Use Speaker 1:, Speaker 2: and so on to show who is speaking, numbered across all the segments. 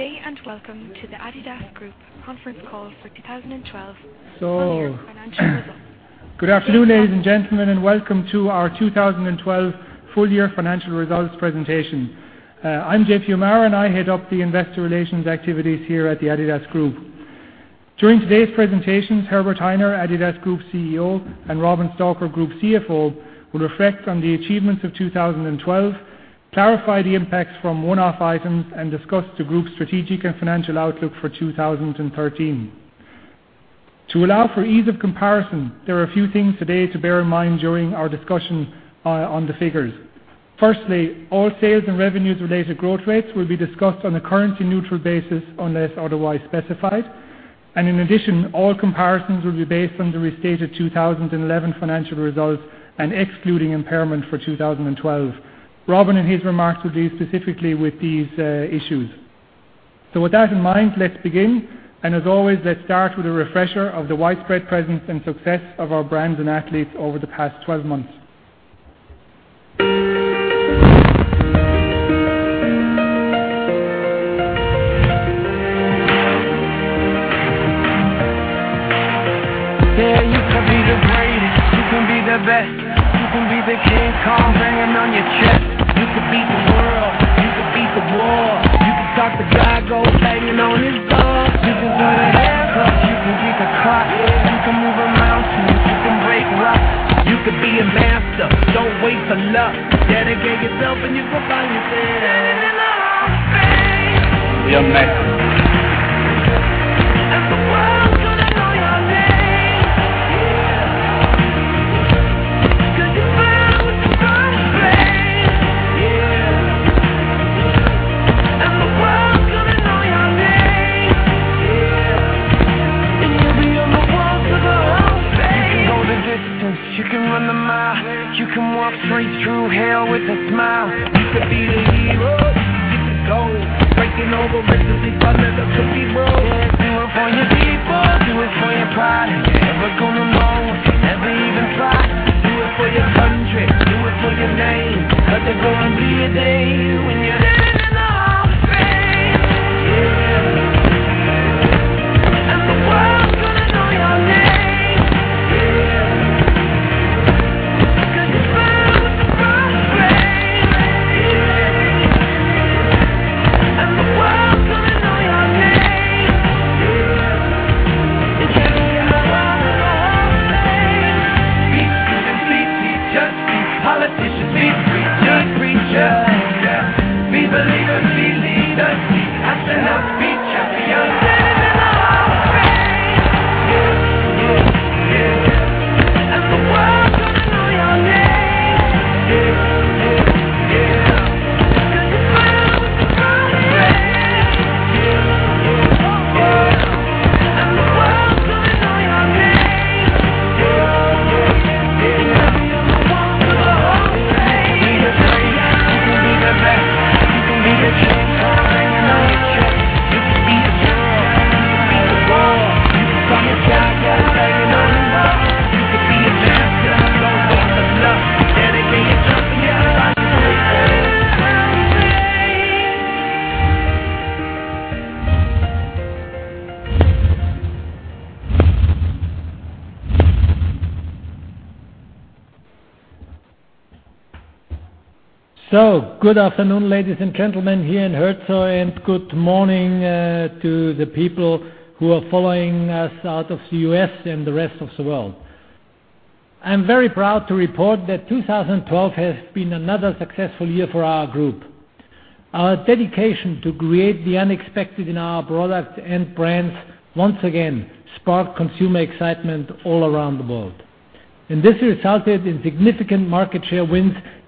Speaker 1: Good day. Welcome to the adidas Group conference call for 2012 full year financial results.
Speaker 2: Good afternoon, ladies and gentlemen, and welcome to our 2012 full year financial results presentation. I'm John-Paul O'Meara, and I head up the investor relations activities here at the adidas Group. During today's presentations, Herbert Hainer, adidas Group CEO, and Robin Stalker, Group CFO, will reflect on the achievements of 2012, clarify the impacts from one-off items, and discuss the group's strategic and financial outlook for 2013. To allow for ease of comparison, there are a few things today to bear in mind during our discussion on the figures. Firstly, all sales and revenues-related growth rates will be discussed on a currency-neutral basis unless otherwise specified. In addition, all comparisons will be based on the restated 2011 financial results and excluding impairment for 2012. Robin, in his remarks, will deal specifically with these issues. With that in mind, let's begin. As always, let's start with a refresher of the widespread presence and success of our brands and athletes over the past 12 months.
Speaker 3: Yeah, you can be the greatest. You can be the best. You can be the King Kong banging on your chest. You can beat the world. You can beat the war. You can talk to God, go banging on his door. You can throw the hammer down. You can beat the clock. You can move a mountain. You can break rocks. You can be a master. Don't wait for luck. Dedicate yourself and you go down in history. Standing in the hall of fame. We are amazing. The world's gonna know your name. Yeah. Because you burn with the brightest flame. Yeah. The world's gonna know your name. Yeah. You'll be on the walls of the hall of fame. You can go the distance. You can run the mile. You can walk straight through hell with a smile. You can be the hero. You can get the gold. Breaking all the records they thought never could be broke. Do it for your people. Do it for your pride. How you ever gonna know unless you ever even try? Do it for your country. Do it for your name. 'Cause there's gonna be a day when you're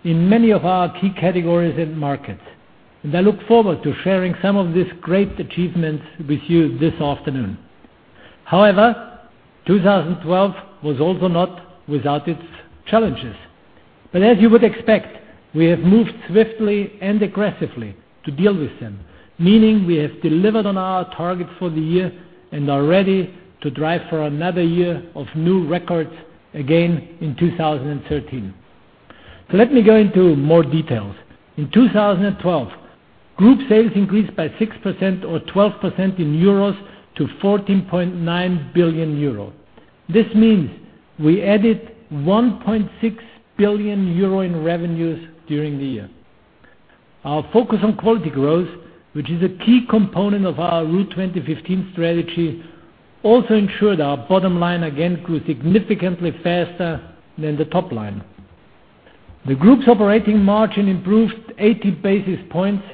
Speaker 2: in many of our key categories and markets. I look forward to sharing some of these great achievements with you this afternoon. However, 2012 was also not without its challenges. As you would expect, we have moved swiftly and aggressively to deal with them, meaning we have delivered on our target for the year and are ready to drive for another year of new records again in 2013. Let me go into more details. In 2012, group sales increased by 6% or 12% in EUR to 14.9 billion euro. This means we added 1.6 billion euro in revenues during the year. Our focus on quality growth, which is a key component of our Route 2015 strategy, also ensured our bottom line again grew significantly faster than the top line. The group's operating margin improved 80 basis points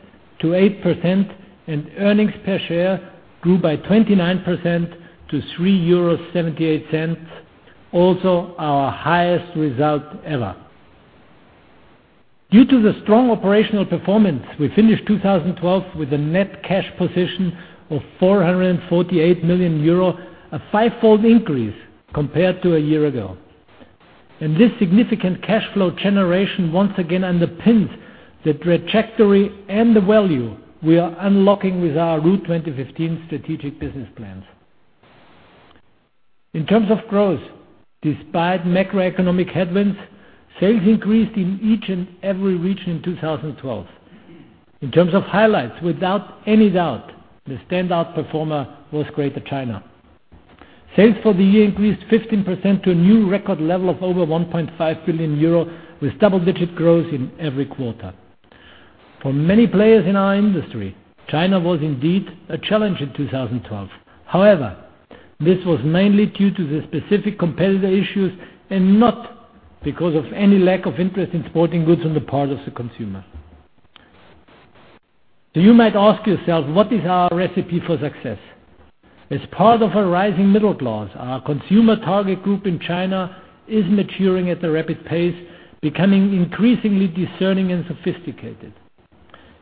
Speaker 2: to 8%, and earnings per share grew by 29% to 3.78 euros, also our highest result ever. Due to the strong operational performance, we finished 2012 with a net cash position of 448 million euro, a five-fold increase compared to a year ago. This significant cash flow generation once again underpins the trajectory and the value we are unlocking with our Route 2015 strategic business plans.
Speaker 4: In terms of growth, despite macroeconomic headwinds, sales increased in each and every region in 2012. In terms of highlights, without any doubt, the standout performer was Greater China. Sales for the year increased 15% to a new record level of over 1.5 billion euro with double-digit growth in every quarter. For many players in our industry, China was indeed a challenge in 2012. However, this was mainly due to the specific competitor issues and not because of any lack of interest in sporting goods on the part of the consumer. You might ask yourself, what is our recipe for success? As part of a rising middle class, our consumer target group in China is maturing at a rapid pace, becoming increasingly discerning and sophisticated.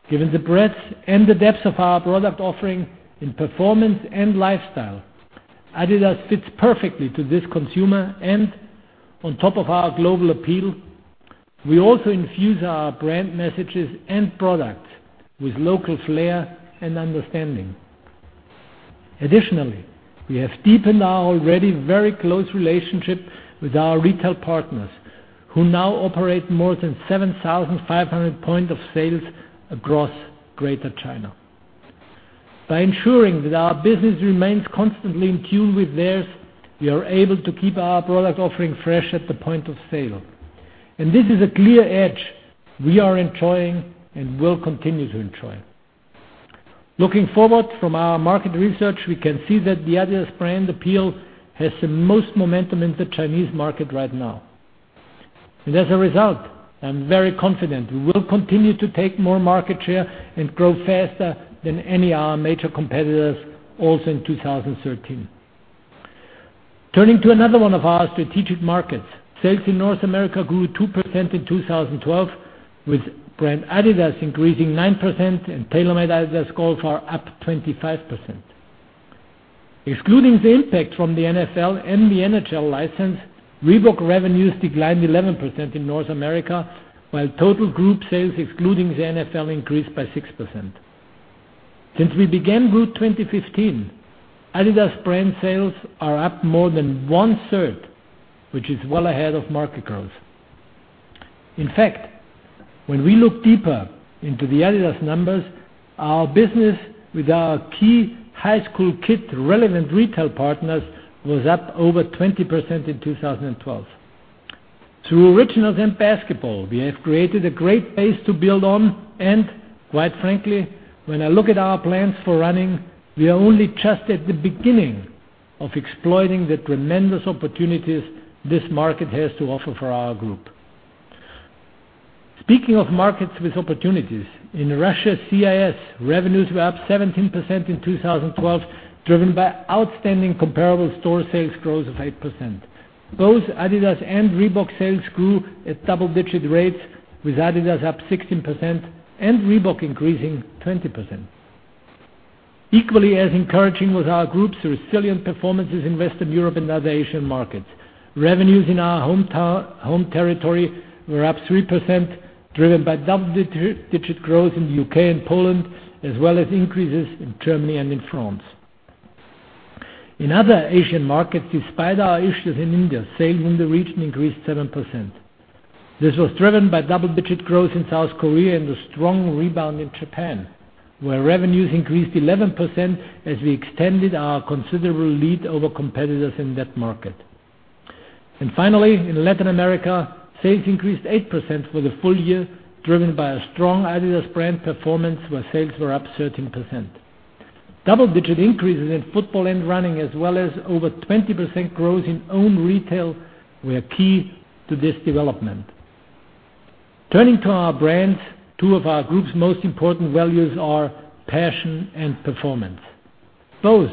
Speaker 4: Given the breadth and the depth of our product offering in performance and lifestyle, adidas fits perfectly to this consumer. On top of our global appeal, we also infuse our brand messages and products with local flair and understanding. Additionally, we have deepened our already very close relationship with our retail partners, who now operate more than 7,500 point of sales across Greater China. By ensuring that our business remains constantly in tune with theirs, we are able to keep our product offering fresh at the point of sale. This is a clear edge we are enjoying and will continue to enjoy. Looking forward, from our market research, we can see that the adidas brand appeal has the most momentum in the Chinese market right now. As a result, I'm very confident we will continue to take more market share and grow faster than any of our major competitors also in 2013. Turning to another one of our strategic markets, sales in North America grew 2% in 2012, with brand adidas increasing 9% and TaylorMade-adidas Golf are up 25%. Excluding the impact from the NFL and the NHL license, Reebok revenues declined 11% in North America, while total group sales, excluding the NFL, increased by 6%. Since we began Route 2015, adidas brand sales are up more than one-third, which is well ahead of market growth. In fact, when we look deeper into the adidas numbers, our business with our key high school kid-relevant retail partners was up over 20% in 2012. Through Originals and basketball, we have created a great base to build on. Quite frankly, when I look at our plans for running, we are only just at the beginning of exploiting the tremendous opportunities this market has to offer for our group. Speaking of markets with opportunities, in Russia, CIS, revenues were up 17% in 2012, driven by outstanding comparable store sales growth of 8%. Both adidas and Reebok sales grew at double-digit rates, with adidas up 16% and Reebok increasing 20%. Equally as encouraging was our group's resilient performances in Western Europe and other Asian markets. Revenues in our home territory were up 3%, driven by double-digit growth in the U.K. and Poland, as well as increases in Germany and in France. In other Asian markets, despite our issues in India, sales in the region increased 7%. This was driven by double-digit growth in South Korea and a strong rebound in Japan, where revenues increased 11% as we extended our considerable lead over competitors in that market. Finally, in Latin America, sales increased 8% for the full year, driven by a strong adidas brand performance, where sales were up 13%. Double-digit increases in football and running, as well as over 20% growth in own retail, were key to this development. Turning to our brands, two of our group's most important values are passion and performance, both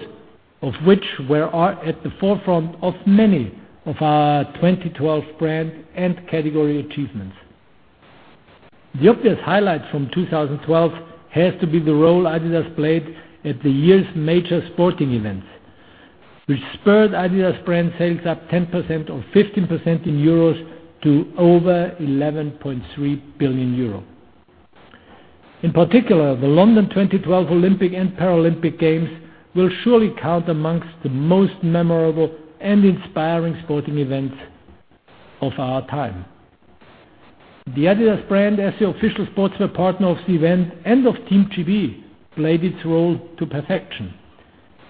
Speaker 4: of which were at the forefront of many of our 2012 brand and category achievements. The obvious highlight from 2012 has to be the role adidas played at the year's major sporting events, which spurred adidas brand sales up 10% or 15% in EUR to over 11.3 billion euro. In particular, the London 2012 Olympic and Paralympic Games will surely count amongst the most memorable and inspiring sporting events of our time. The adidas brand, as the official sportswear partner of the event and of Team GB, played its role to perfection.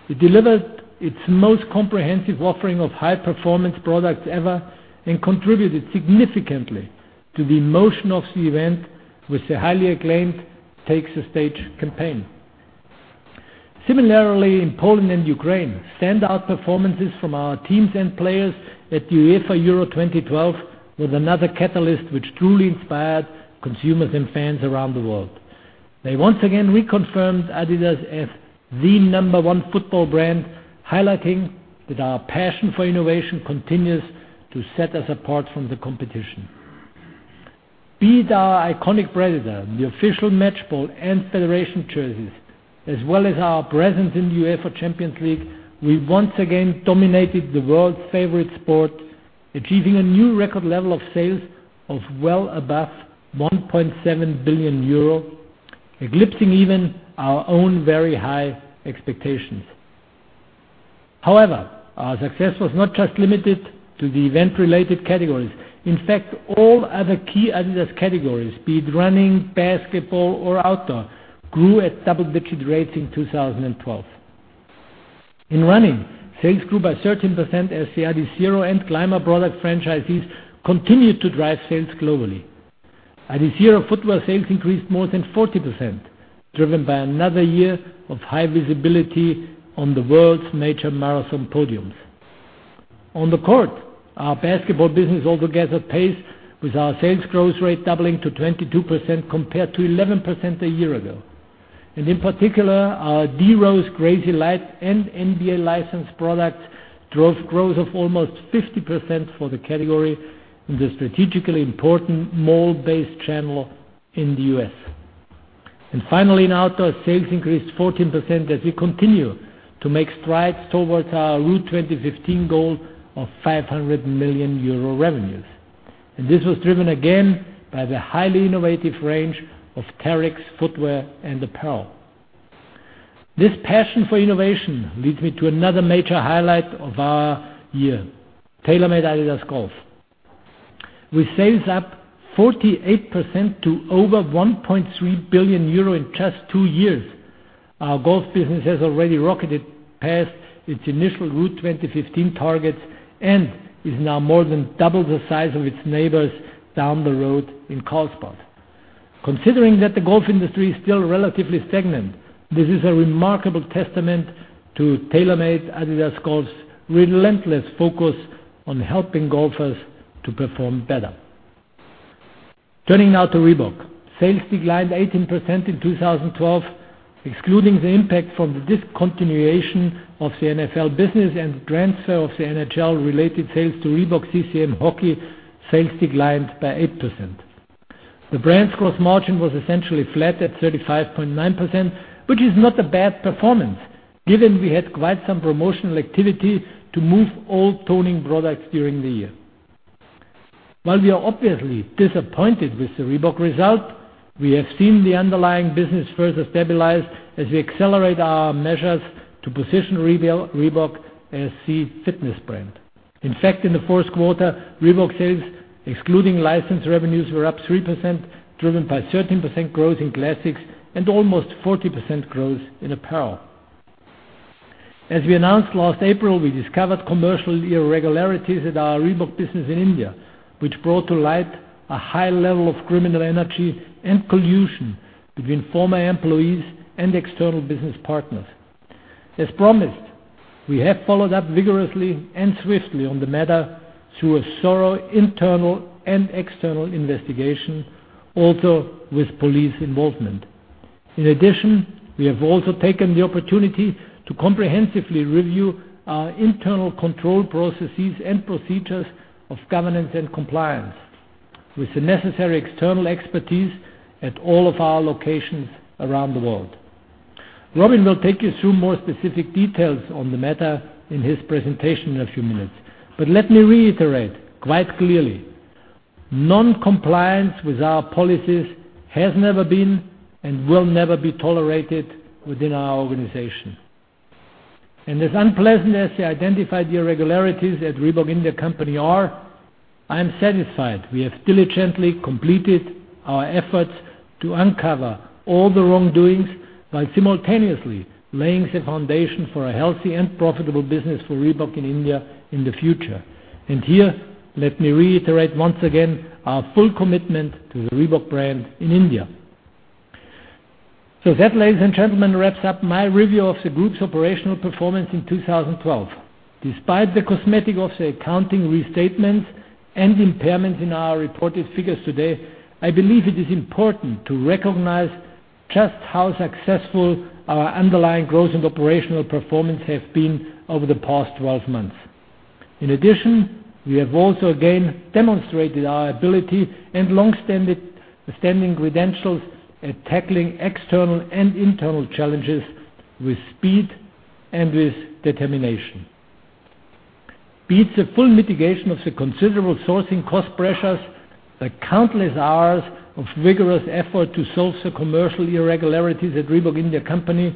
Speaker 4: It delivered its most comprehensive offering of high-performance products ever and contributed significantly to the emotion of the event with the highly acclaimed Take the Stage campaign. Similarly, in Poland and Ukraine, standout performances from our teams and players at the UEFA Euro 2012 was another catalyst which truly inspired consumers and fans around the world. They once again reconfirmed adidas as the number one football brand, highlighting that our passion for innovation continues to set us apart from the competition. Be it our iconic Predator, the official match ball and federation jerseys, as well as our presence in the UEFA Champions League, we once again dominated the world's favorite sport, achieving a new record level of sales of well above 1.7 billion euro. Eclipsing even our own very high expectations. However, our success was not just limited to the event-related categories. In fact, all other key adidas categories, be it running, basketball, or outdoor, grew at double-digit rates in 2012. In running, sales grew by 13% as the Adizero and Climawarm product franchises continued to drive sales globally. Adizero footwear sales increased more than 40%, driven by another year of high visibility on the world's major marathon podiums. On the court, our basketball business also gathered pace with our sales growth rate doubling to 22% compared to 11% a year ago. In particular, our D Rose Crazy Light and NBA licensed products drove growth of almost 50% for the category in the strategically important mall-based channel in the U.S. Finally, in outdoor, sales increased 14% as we continue to make strides towards our Route 2015 goal of 500 million euro revenues. This was driven again by the highly innovative range of Terrex footwear and apparel. This passion for innovation leads me to another major highlight of our year, TaylorMade-adidas Golf. With sales up 48% to over 1.3 billion euro in just two years, our golf business has already rocketed past its initial Route 2015 targets and is now more than double the size of its neighbors down the road in Carlsbad. Considering that the golf industry is still relatively stagnant, this is a remarkable testament to TaylorMade-adidas Golf's relentless focus on helping golfers to perform better. Turning now to Reebok. Sales declined 18% in 2012, excluding the impact from the discontinuation of the NFL business and the transfer of the NHL-related sales to Reebok-CCM Hockey, sales declined by 8%. The brand's gross margin was essentially flat at 35.9%, which is not a bad performance, given we had quite some promotional activity to move all toning products during the year. While we are obviously disappointed with the Reebok result, we have seen the underlying business further stabilize as we accelerate our measures to position Reebok as the fitness brand. In fact, in the first quarter, Reebok sales, excluding license revenues, were up 3%, driven by 13% growth in classics and almost 40% growth in apparel. As we announced last April, we discovered commercial irregularities at our Reebok business in India, which brought to light a high level of criminal energy and collusion between former employees and external business partners. As promised, we have followed up vigorously and swiftly on the matter through a thorough internal and external investigation, also with police involvement. In addition, we have also taken the opportunity to comprehensively review our internal control processes and procedures of governance and compliance with the necessary external expertise at all of our locations around the world. Robin will take you through more specific details on the matter in his presentation in a few minutes. Let me reiterate quite clearly, non-compliance with our policies has never been and will never be tolerated within our organization. As unpleasant as the identified irregularities at Reebok India Company are, I am satisfied we have diligently completed our efforts to uncover all the wrongdoings while simultaneously laying the foundation for a healthy and profitable business for Reebok in India in the future. Here, let me reiterate once again our full commitment to the Reebok brand in India. That, ladies and gentlemen, wraps up my review of the group's operational performance in 2012. Despite the cosmetic of the accounting restatements and impairments in our reported figures today, I believe it is important to recognize just how successful our underlying growth and operational performance have been over the past 12 months. In addition, we have also again demonstrated our ability and long-standing credentials at tackling external and internal challenges with speed and with determination. Be it the full mitigation of the considerable sourcing cost pressures, the countless hours of vigorous effort to solve the commercial irregularities at Reebok India Company,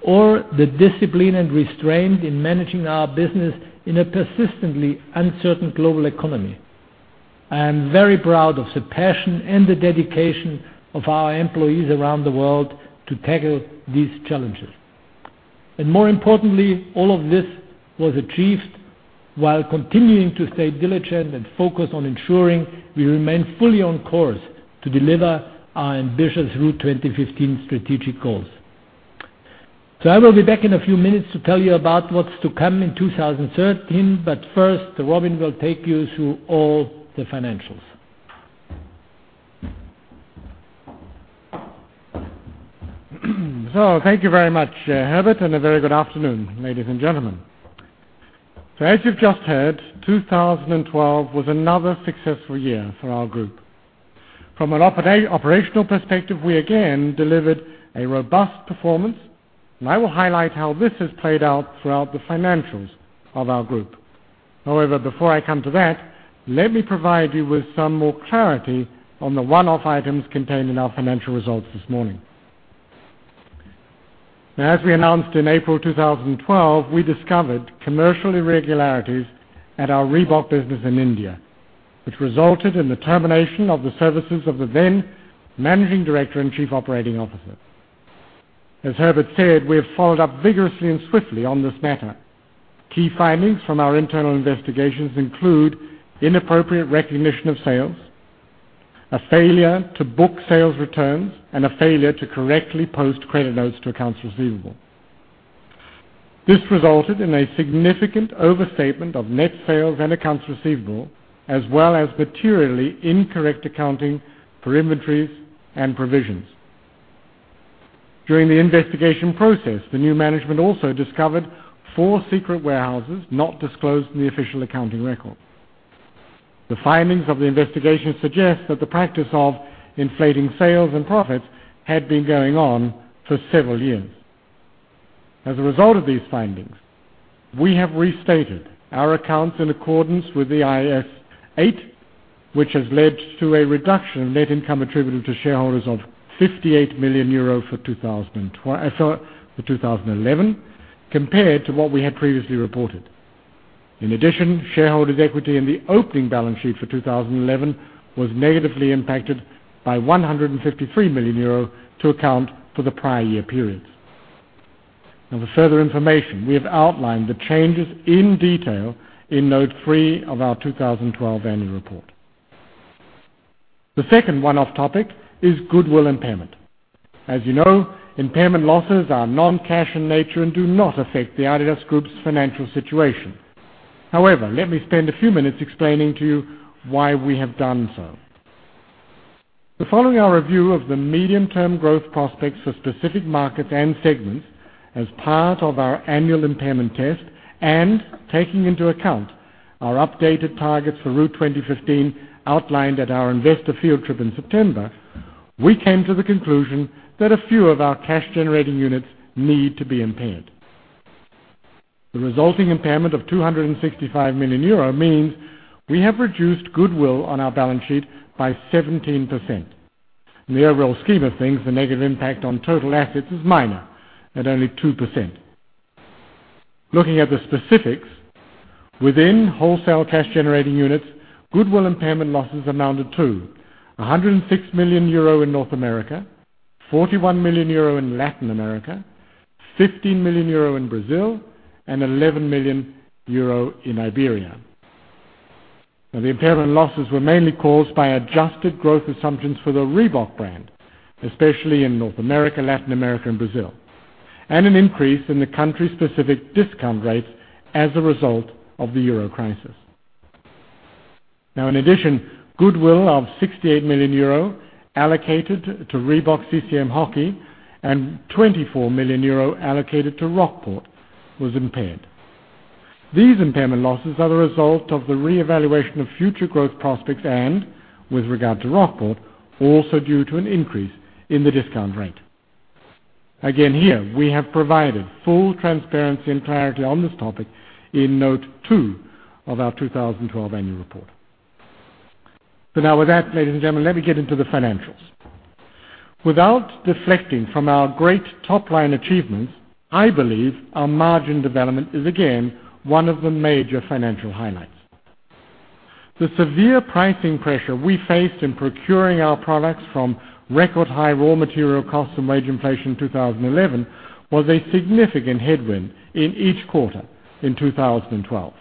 Speaker 4: or the discipline and restraint in managing our business in a persistently uncertain global economy. I am very proud of the passion and the dedication of our employees around the world to tackle these challenges. More importantly, all of this was achieved while continuing to stay diligent and focused on ensuring we remain fully on course to deliver our ambitious Route 2015 strategic goals. I will be back in a few minutes to tell you about what's to come in 2013, but first, Robin will take you through all the financials.
Speaker 5: Thank you very much, Herbert, and a very good afternoon, ladies and gentlemen. As you've just heard, 2012 was another successful year for our group. From an operational perspective, we again delivered a robust performance, and I will highlight how this has played out throughout the financials of our group. However, before I come to that, let me provide you with some more clarity on the one-off items contained in our financial results this morning. Now, as we announced in April 2012, we discovered commercial irregularities at our Reebok business in India, which resulted in the termination of the services of the then managing director and chief operating officer. As Herbert said, we have followed up vigorously and swiftly on this matter. Key findings from our internal investigations include inappropriate recognition of sales, a failure to book sales returns, and a failure to correctly post credit notes to accounts receivable. This resulted in a significant overstatement of net sales and accounts receivable, as well as materially incorrect accounting for inventories and provisions. During the investigation process, the new management also discovered four secret warehouses not disclosed in the official accounting record. The findings of the investigation suggest that the practice of inflating sales and profits had been going on for several years. As a result of these findings, we have restated our accounts in accordance with the IAS 8, which has led to a reduction in net income attributed to shareholders of 58 million euro for 2011 compared to what we had previously reported. In addition, shareholders' equity in the opening balance sheet for 2011 was negatively impacted by 153 million euro to account for the prior year periods. For further information, we have outlined the changes in detail in note three of our 2012 annual report. The second one-off topic is goodwill impairment. As you know, impairment losses are non-cash in nature and do not affect the adidas Group's financial situation. However, let me spend a few minutes explaining to you why we have done so. Following our review of the medium-term growth prospects for specific markets and segments as part of our annual impairment test and taking into account our updated targets for Route 2015 outlined at our investor field trip in September, we came to the conclusion that a few of our cash-generating units need to be impaired. The resulting impairment of 265 million euro means we have reduced goodwill on our balance sheet by 17%. In the overall scheme of things, the negative impact on total assets is minor, at only 2%. Looking at the specifics, within wholesale cash-generating units, goodwill impairment losses amounted to 106 million euro in North America, 41 million euro in Latin America, 15 million euro in Brazil, and 11 million euro in Iberia. The impairment losses were mainly caused by adjusted growth assumptions for the Reebok brand, especially in North America, Latin America, and Brazil, and an increase in the country-specific discount rates as a result of the euro crisis. In addition, goodwill of 68 million euro allocated to Reebok-CCM Hockey and 24 million euro allocated to Rockport was impaired. These impairment losses are the result of the reevaluation of future growth prospects and, with regard to Rockport, also due to an increase in the discount rate. Again, here, we have provided full transparency and clarity on this topic in note two of our 2012 annual report. Now with that, ladies and gentlemen, let me get into the financials. Without deflecting from our great top-line achievements, I believe our margin development is again one of the major financial highlights. The severe pricing pressure we faced in procuring our products from record-high raw material costs and wage inflation in 2011 was a significant headwind in each quarter in 2012.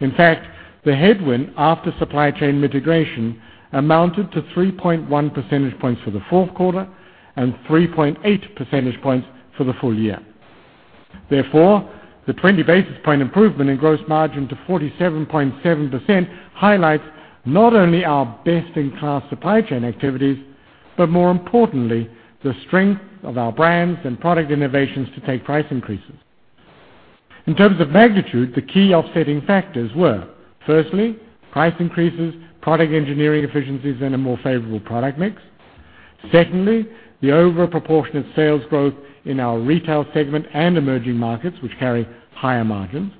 Speaker 5: In fact, the headwind after supply chain mitigation amounted to 3.1 percentage points for the fourth quarter and 3.8 percentage points for the full year. The 20-basis point improvement in gross margin to 47.7% highlights not only our best-in-class supply chain activities, but more importantly, the strength of our brands and product innovations to take price increases. In terms of magnitude, the key offsetting factors were, firstly, price increases, product engineering efficiencies, and a more favorable product mix. Secondly, the overproportionate sales growth in our retail segment and emerging markets, which carry higher margins.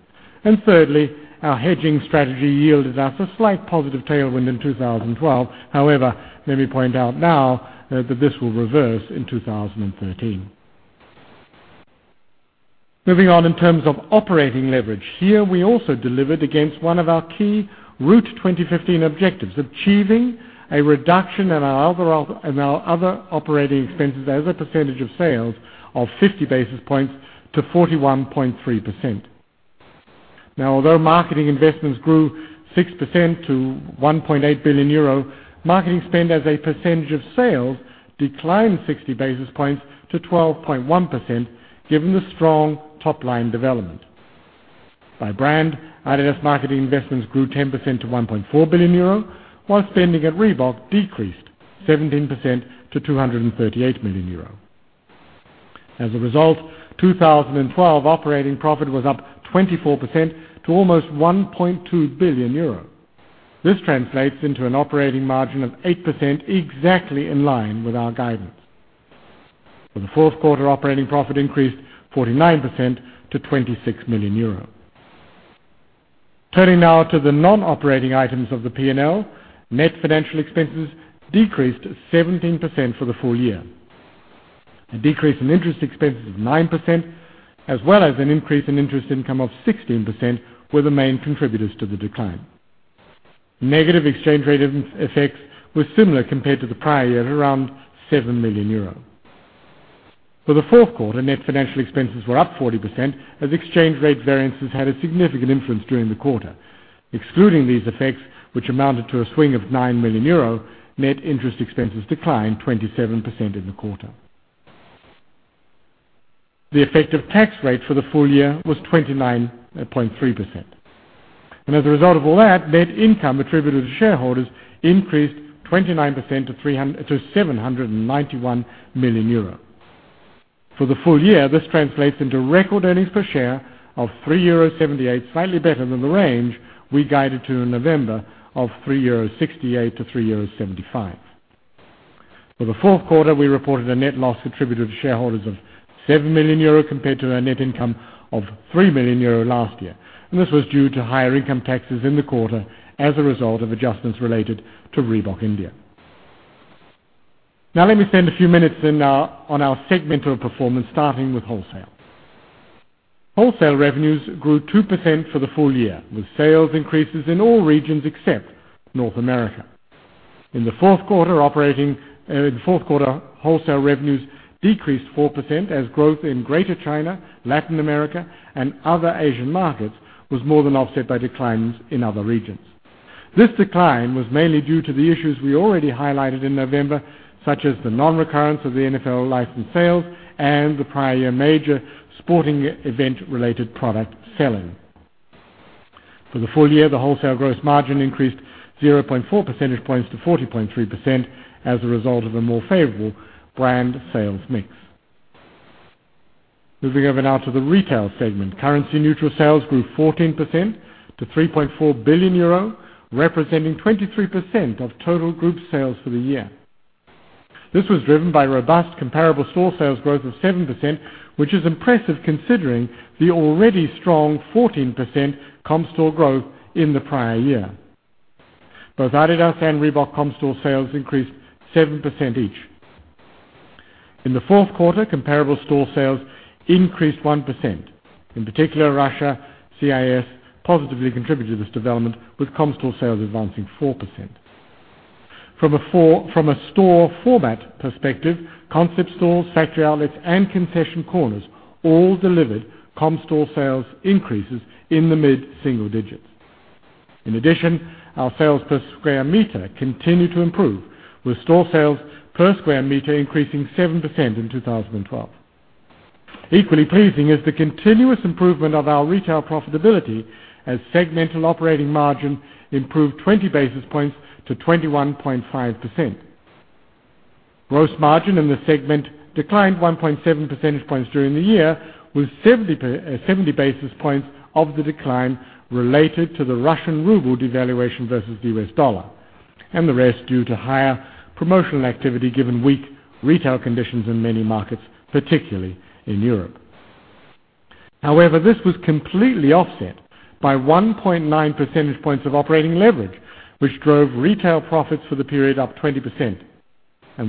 Speaker 5: And thirdly, our hedging strategy yielded us a slight positive tailwind in 2012. Let me point out now that this will reverse in 2013. In terms of operating leverage. Here we also delivered against one of our key Route 2015 objectives, achieving a reduction in our other operating expenses as a percentage of sales of 50 basis points to 41.3%. Although marketing investments grew 6% to 1.8 billion euro, marketing spend as a percentage of sales declined 60 basis points to 12.1%, given the strong top-line development. By brand, adidas marketing investments grew 10% to 1.4 billion euro, while spending at Reebok decreased 17% to 238 million euro. As a result, 2012 operating profit was up 24% to almost 1.2 billion euros. This translates into an operating margin of 8%, exactly in line with our guidance. For the fourth quarter, operating profit increased 49% to EUR 26 million. Turning now to the non-operating items of the P&L, net financial expenses decreased 17% for the full year. A decrease in interest expenses of 9%, as well as an increase in interest income of 16%, were the main contributors to the decline. Negative exchange rate effects were similar compared to the prior year, at around 7 million euros. For the fourth quarter, net financial expenses were up 40%, as exchange rate variances had a significant influence during the quarter. Excluding these effects, which amounted to a swing of 9 million euro, net interest expenses declined 27% in the quarter. The effective tax rate for the full year was 29.3%. As a result of all that, net income attributed to shareholders increased 29% to 791 million euro. For the full year, this translates into record earnings per share of 3.78 euro, slightly better than the range we guided to in November of 3.68-3.75 euro. For the fourth quarter, we reported a net loss attributed to shareholders of 7 million euro compared to a net income of 3 million euro last year, and this was due to higher income taxes in the quarter as a result of adjustments related to Reebok India. Let me spend a few minutes on our segmental performance, starting with wholesale. Wholesale revenues grew 2% for the full year, with sales increases in all regions except North America. In the fourth quarter, wholesale revenues decreased 4%, as growth in Greater China, Latin America, and other Asian markets was more than offset by declines in other regions. This decline was mainly due to the issues we already highlighted in November, such as the non-recurrence of the NFL license sales and the prior year major sporting event-related product selling. For the full year, the wholesale gross margin increased 0.4 percentage points to 40.3% as a result of a more favorable brand sales mix. To the retail segment. Currency-neutral sales grew 14% to 3.4 billion euro, representing 23% of total group sales for the year. This was driven by robust comparable store sales growth of 7%, which is impressive considering the already strong 14% comp store growth in the prior year. Both adidas and Reebok comp store sales increased 7% each. In the fourth quarter, comparable store sales increased 1%. In particular, Russia, CIS positively contributed to this development, with comp store sales advancing 4%. From a store format perspective, concept stores, factory outlets, and concession corners all delivered comp store sales increases in the mid-single digits. In addition, our sales per square meter continued to improve, with store sales per square meter increasing 7% in 2012. Equally pleasing is the continuous improvement of our retail profitability as segmental operating margin improved 20 basis points to 21.5%. Gross margin in the segment declined 1.7 percentage points during the year, with 70 basis points of the decline related to the Russian ruble devaluation versus the US dollar, and the rest due to higher promotional activity given weak retail conditions in many markets, particularly in Europe. However, this was completely offset by 1.9 percentage points of operating leverage, which drove retail profits for the period up 20%.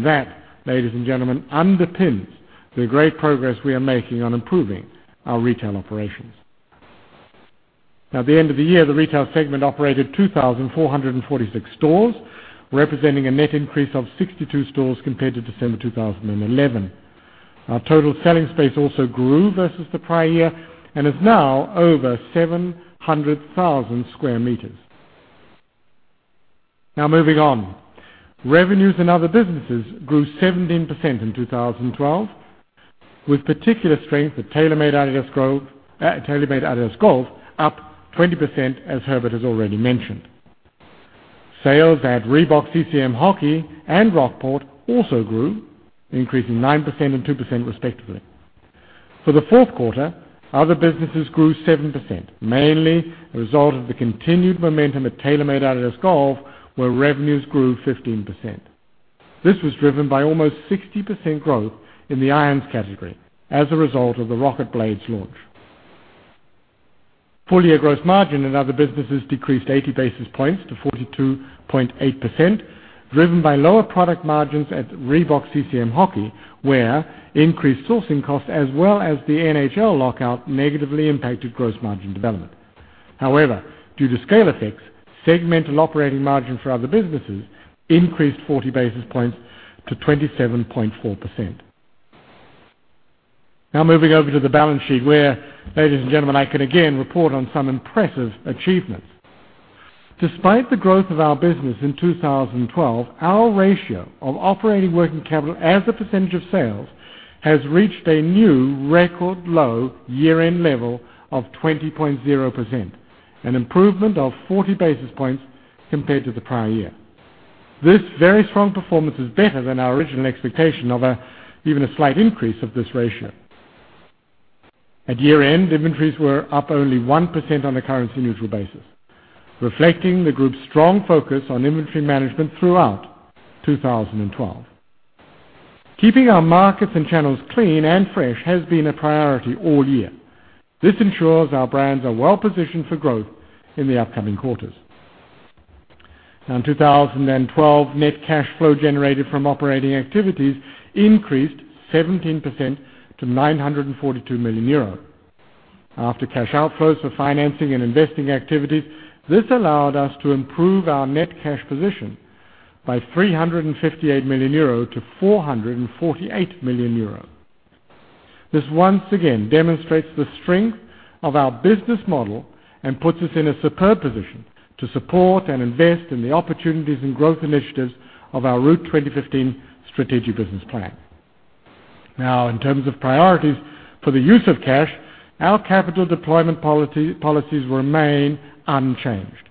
Speaker 5: That, ladies and gentlemen, underpins the great progress we are making on improving our retail operations. At the end of the year, the retail segment operated 2,446 stores, representing a net increase of 62 stores compared to December 2011. Our total selling space also grew versus the prior year and is now over 700,000 square meters. Moving on. Revenues in other businesses grew 17% in 2012, with particular strength at TaylorMade-adidas Golf, up 20%, as Herbert has already mentioned. Sales at Reebok-CCM Hockey and Rockport also grew, increasing 9% and 2% respectively. For the fourth quarter, other businesses grew 7%, mainly a result of the continued momentum at TaylorMade-adidas Golf, where revenues grew 15%. This was driven by almost 60% growth in the irons category as a result of the RocketBladez launch. Full-year gross margin in other businesses decreased 80 basis points to 42.8%, driven by lower product margins at Reebok-CCM Hockey, where increased sourcing costs as well as the NHL lockout negatively impacted gross margin development. However, due to scale effects, segmental operating margin for other businesses increased 40 basis points to 27.4%. Moving over to the balance sheet, where, ladies and gentlemen, I can again report on some impressive achievements. Despite the growth of our business in 2012, our ratio of operating working capital as a percentage of sales has reached a new record low year-end level of 20.0%, an improvement of 40 basis points compared to the prior year. This very strong performance is better than our original expectation of even a slight increase of this ratio. At year-end, inventories were up only 1% on a currency-neutral basis, reflecting the group's strong focus on inventory management throughout 2012. Keeping our markets and channels clean and fresh has been a priority all year. This ensures our brands are well-positioned for growth in the upcoming quarters. In 2012, net cash flow generated from operating activities increased 17% to 942 million euro. After cash outflows for financing and investing activities, this allowed us to improve our net cash position by 358 million euro to 448 million euro. This once again demonstrates the strength of our business model and puts us in a superb position to support and invest in the opportunities and growth initiatives of our Route 2015 strategic business plan. In terms of priorities for the use of cash, our capital deployment policies remain unchanged.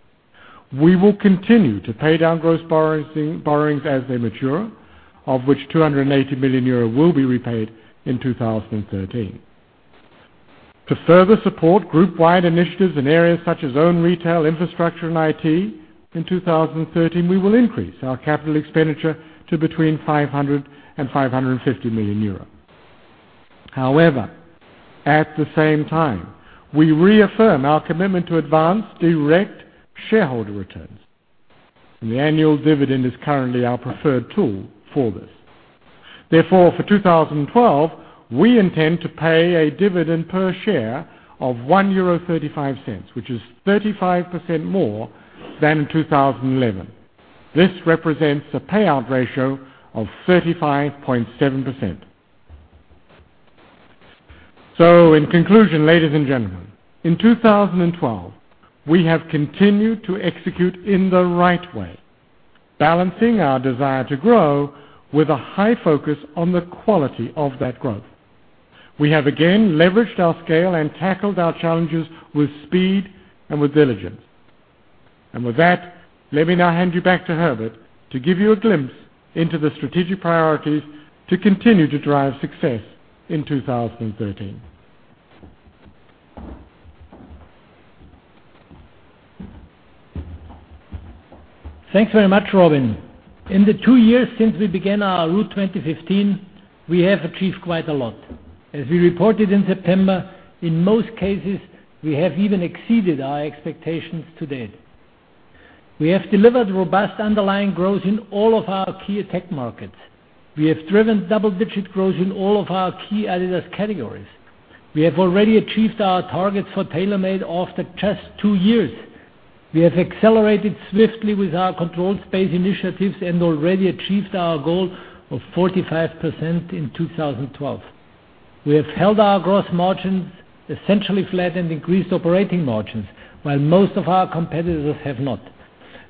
Speaker 5: We will continue to pay down gross borrowings as they mature, of which 280 million euro will be repaid in 2013. To further support group-wide initiatives in areas such as own retail, infrastructure, and IT, in 2013, we will increase our capital expenditure to between 500 million euros and 550 million euro. However, at the same time, we reaffirm our commitment to advance direct shareholder returns, and the annual dividend is currently our preferred tool for this. Therefore, for 2012, we intend to pay a dividend per share of 1.35 euro, which is 35% more than in 2011. This represents a payout ratio of 35.7%. In conclusion, ladies and gentlemen, in 2012, we have continued to execute in the right way, balancing our desire to grow with a high focus on the quality of that growth. We have again leveraged our scale and tackled our challenges with speed and with diligence. With that, let me now hand you back to Herbert to give you a glimpse into the strategic priorities to continue to drive success in 2013.
Speaker 4: Thanks very much, Robin. In the two years since we began our Route 2015, we have achieved quite a lot. As we reported in September, in most cases, we have even exceeded our expectations to date. We have delivered robust underlying growth in all of our key attack markets. We have driven double-digit growth in all of our key adidas categories. We have already achieved our targets for TaylorMade after just two years. We have accelerated swiftly with our controlled space initiatives and already achieved our goal of 45% in 2012. We have held our gross margins essentially flat and increased operating margins while most of our competitors have not.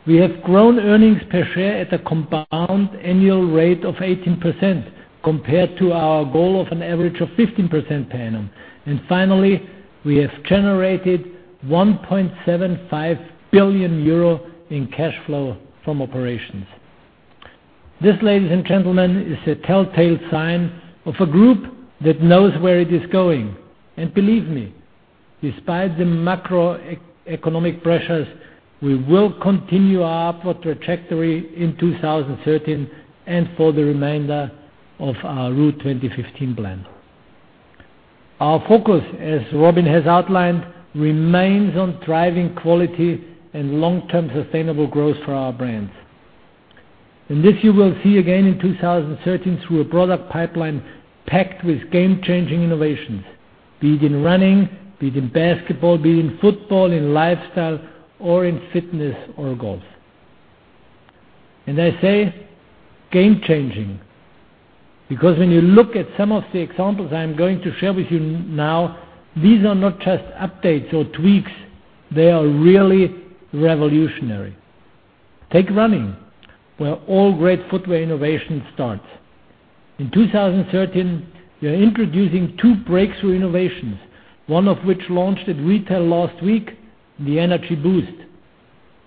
Speaker 4: We have grown earnings per share at a compound annual rate of 18% compared to our goal of an average of 15% per annum. Finally, we have generated 1.75 billion euro in cash flow from operations. This, ladies and gentlemen, is a telltale sign of a group that knows where it is going. Believe me, despite the macroeconomic pressures, we will continue our upward trajectory in 2013 and for the remainder of our Route 2015 plan. Our focus, as Robin has outlined, remains on driving quality and long-term sustainable growth for our brands. This you will see again in 2013 through a product pipeline packed with game-changing innovations, be it in running, be it in basketball, be it in football, in lifestyle or in fitness or golf. I say game-changing because when you look at some of the examples I am going to share with you now, these are not just updates or tweaks, they are really revolutionary. Take running, where all great footwear innovation starts. In 2013, we are introducing two breakthrough innovations, one of which launched at retail last week, the Energy Boost.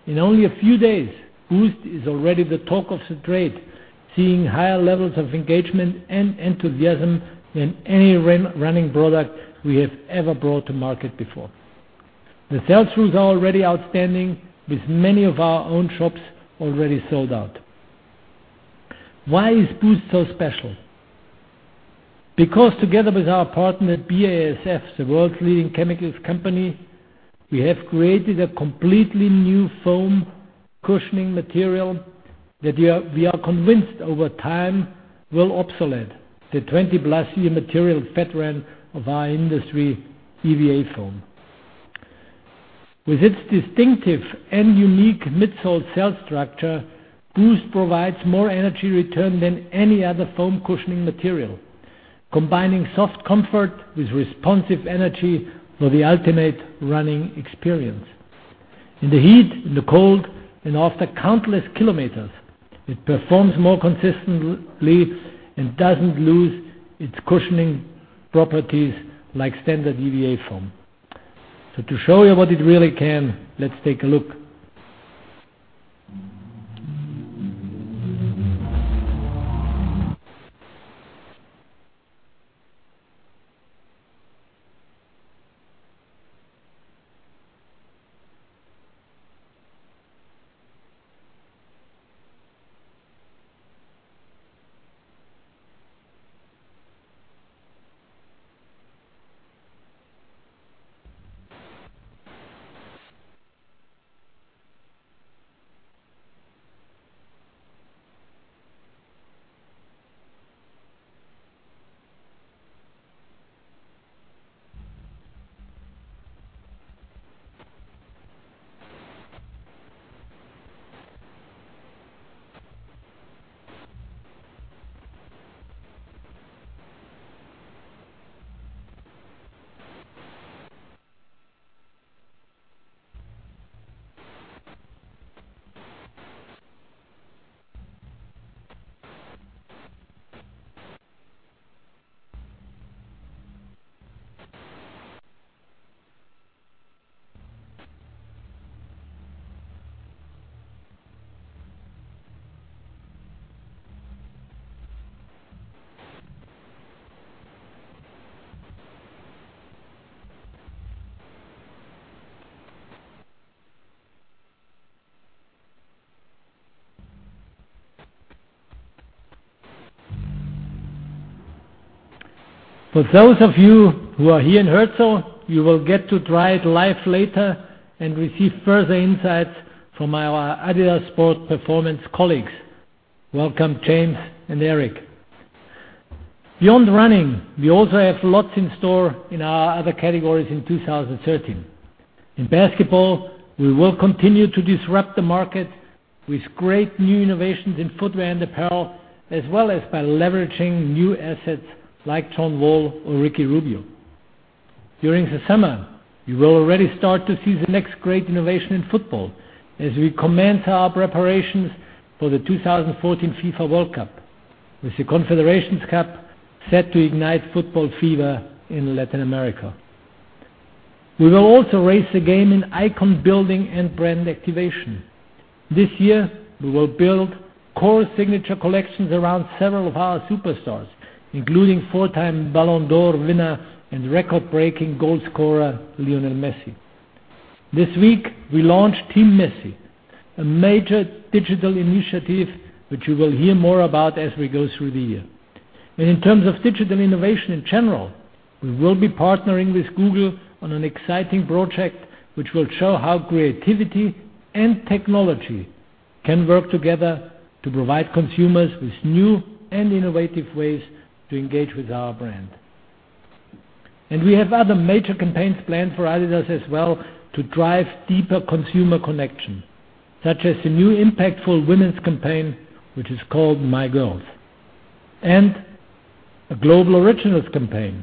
Speaker 4: In only a few days, Boost is already the talk of the trade, seeing higher levels of engagement and enthusiasm than any running product we have ever brought to market before. The sell-throughs are already outstanding with many of our own shops already sold out. Why is Boost so special? Because together with our partner at BASF, the world's leading chemicals company, we have created a completely new foam cushioning material that we are convinced over time will obsolete the 20-plus year material veteran of our industry, EVA foam. With its distinctive and unique midsole cell structure, Boost provides more energy return than any other foam cushioning material, combining soft comfort with responsive energy for the ultimate running experience. After countless kilometers, it performs more consistently and doesn't lose its cushioning properties like standard EVA foam. To show you what it really can, let's take a look- For those of you who are here in Herzog, you will get to try it live later and receive further insights from our adidas Sport Performance colleagues. Welcome, James and Eric. Beyond running, we also have lots in store in our other categories in 2013. In basketball, we will continue to disrupt the market with great new innovations in footwear and apparel, as well as by leveraging new assets like John Wall or Ricky Rubio. During the summer, you will already start to see the next great innovation in football as we commence our preparations for the 2014 FIFA World Cup, with the Confederations Cup set to ignite football fever in Latin America. We will also raise the game in icon building and brand activation. This year, we will build core signature collections around several of our superstars, including four-time Ballon d'Or winner and record-breaking goal scorer, Lionel Messi. This week, we launch Team Messi, a major digital initiative which you will hear more about as we go through the year. In terms of digital innovation in general, we will be partnering with Google on an exciting project which will show how creativity and technology can work together to provide consumers with new and innovative ways to engage with our brand. We have other major campaigns planned for adidas as well to drive deeper consumer connection, such as the new impactful women's campaign, which is called "My Girls," and a global Originals campaign,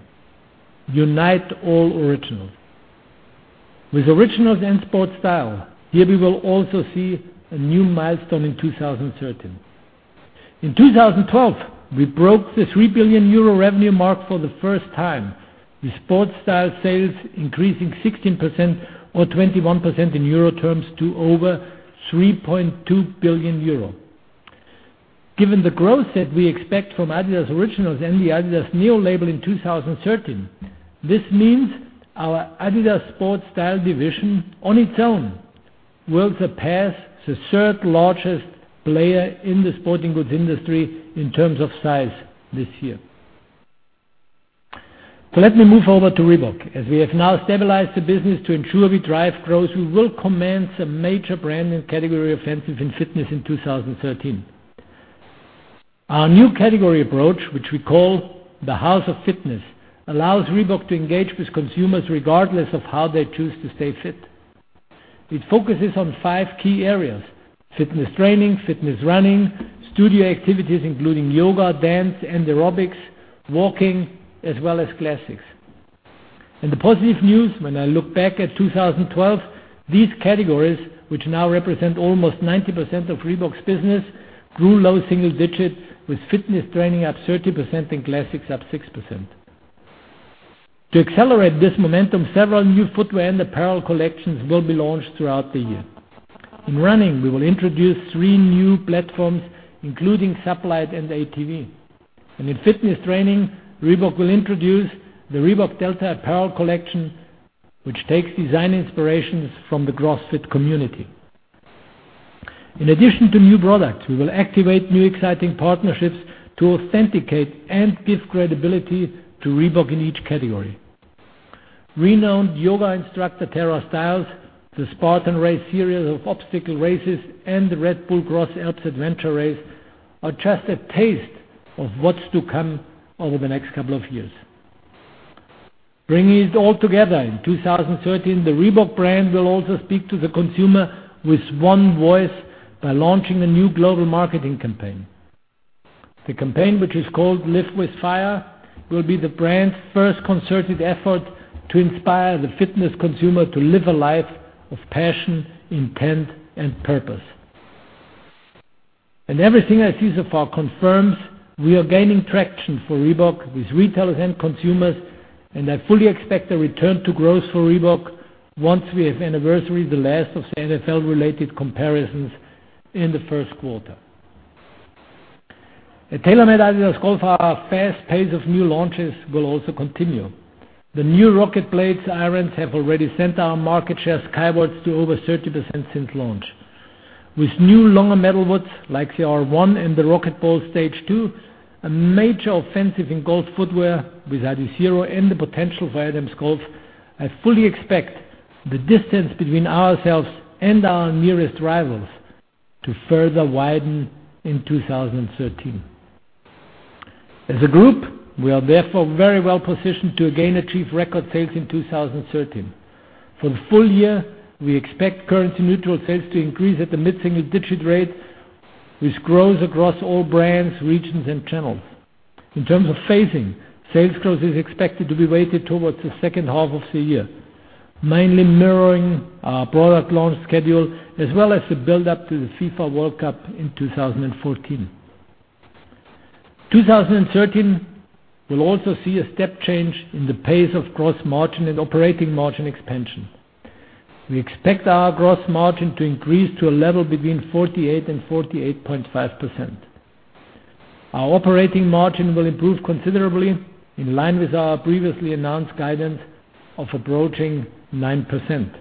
Speaker 4: "Unite All Originals." With Originals and Sport Style, here we will also see a new milestone in 2013. In 2012, we broke the 3 billion euro revenue mark for the first time, with Sport Style sales increasing 16% or 21% in euro terms to over 3.2 billion euro. Given the growth that we expect from adidas Originals and the adidas NEO Label in 2013, this means our adidas Sport Style division on its own will surpass the third-largest player in the sporting goods industry in terms of size this year. Let me move over to Reebok. As we have now stabilized the business to ensure we drive growth, we will commence a major brand and category offensive in fitness in 2013. Our new category approach, which we call the House of Fitness, allows Reebok to engage with consumers regardless of how they choose to stay fit. It focuses on five key areas, fitness training, fitness running, studio activities, including yoga, dance and aerobics, walking, as well as classics. The positive news, when I look back at 2012, these categories, which now represent almost 90% of Reebok's business, grew low single digits, with fitness training up 30% and classics up 6%. To accelerate this momentum, several new footwear and apparel collections will be launched throughout the year. In running, we will introduce 3 new platforms, including SubLite and ATV. In fitness training, Reebok will introduce the Reebok Delta apparel collection, which takes design inspirations from the CrossFit community. In addition to new products, we will activate new, exciting partnerships to authenticate and give credibility to Reebok in each category. Renowned yoga instructor Tara Stiles, the Spartan Race series of obstacle races, and the Red Bull X-Alps are just a taste of what's to come over the next two years. Bringing it all together in 2013, the Reebok brand will also speak to the consumer with one voice by launching a new global marketing campaign. The campaign, which is called "Live with Fire," will be the brand's first concerted effort to inspire the fitness consumer to live a life of passion, intent, and purpose. Everything I see so far confirms we are gaining traction for Reebok with retailers and consumers. I fully expect a return to growth for Reebok once we have anniversaried the last of the NFL-related comparisons in the first quarter. At TaylorMade-adidas Golf, our fast pace of new launches will also continue. The new RocketBladez irons have already sent our market share skywards to over 30% since launch. With new longer metalwoods, like the R1 and the RocketBallz Stage 2, a major offensive in golf footwear with Adizero and the potential for Adams Golf, I fully expect the distance between ourselves and our nearest rivals to further widen in 2013. As a group, we are therefore very well positioned to again achieve record sales in 2013. For the full year, we expect currency-neutral sales to increase at the mid-single-digit rate, with growth across all brands, regions, and channels. In terms of phasing, sales growth is expected to be weighted towards the second half of the year, mainly mirroring our product launch schedule, as well as the build-up to the FIFA World Cup in 2014. 2013 will also see a step change in the pace of gross margin and operating margin expansion. We expect our gross margin to increase to a level between 48% and 48.5%. Our operating margin will improve considerably, in line with our previously announced guidance of approaching 9%.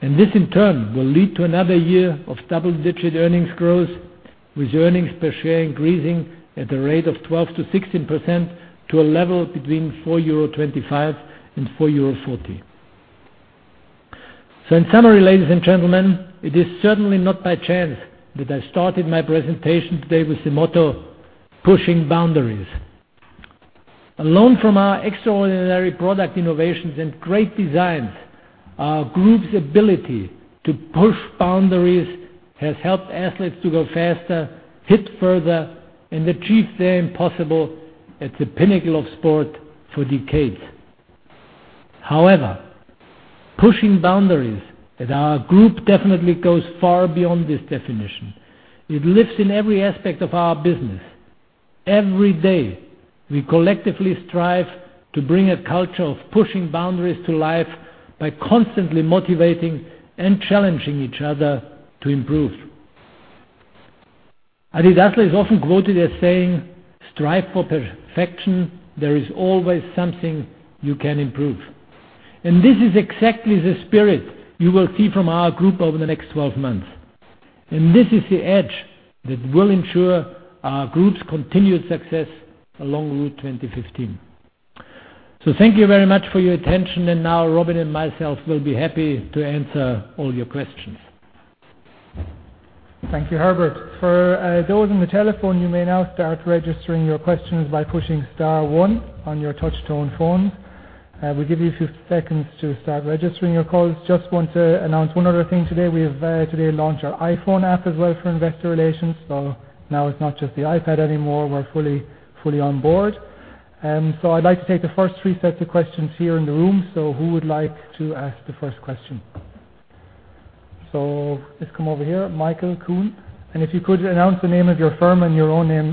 Speaker 4: This in turn will lead to another year of double-digit earnings growth, with earnings per share increasing at a rate of 12% to 16% to a level between €4.25 and €4.40. In summary, ladies and gentlemen, it is certainly not by chance that I started my presentation today with the motto, "Pushing boundaries." Alone from our extraordinary product innovations and great designs, our group's ability to push boundaries has helped athletes to go faster, hit further, and achieve the impossible at the pinnacle of sport for decades. However, pushing boundaries at our group definitely goes far beyond this definition. It lives in every aspect of our business. Every day, we collectively strive to bring a culture of pushing boundaries to life by constantly motivating and challenging each other to improve. Adi Dassler is often quoted as saying, "Strive for perfection. There is always something you can improve." This is exactly the spirit you will see from our group over the next 12 months. This is the edge that will ensure our group's continued success along Route 2015. Thank you very much for your attention, and now Robin and myself will be happy to answer all your questions.
Speaker 2: Thank you, Herbert. For those on the telephone, you may now start registering your questions by pushing star one on your touch-tone phones. I will give you a few seconds to start registering your calls. Just want to announce one other thing today. We have today launched our iPhone app as well for investor relations, so now it's not just the iPad anymore. We're fully on board. I'd like to take the first three sets of questions here in the room. Who would like to ask the first question? Let's come over here, Michael Kuhn. If you could announce the name of your firm and your own name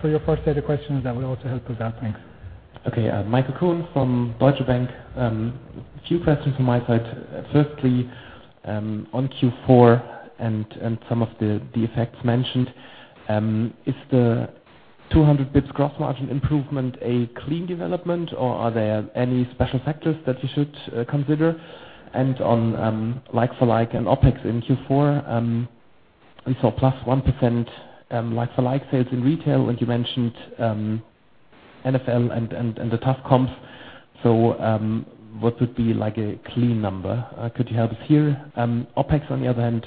Speaker 2: for your first set of questions, that will also help us out. Thanks.
Speaker 6: Okay. Michael Kuhn from Deutsche Bank. A few questions from my side. Firstly, on Q4 and some of the effects mentioned. Is the 200 basis points gross margin improvement a clean development, or are there any special factors that we should consider? On like-for-like and OpEx in Q4, +1% like-for-like sales in retail, and you mentioned NFL and the tough comps. What would be a clean number? Could you help us here? OpEx, on the other hand,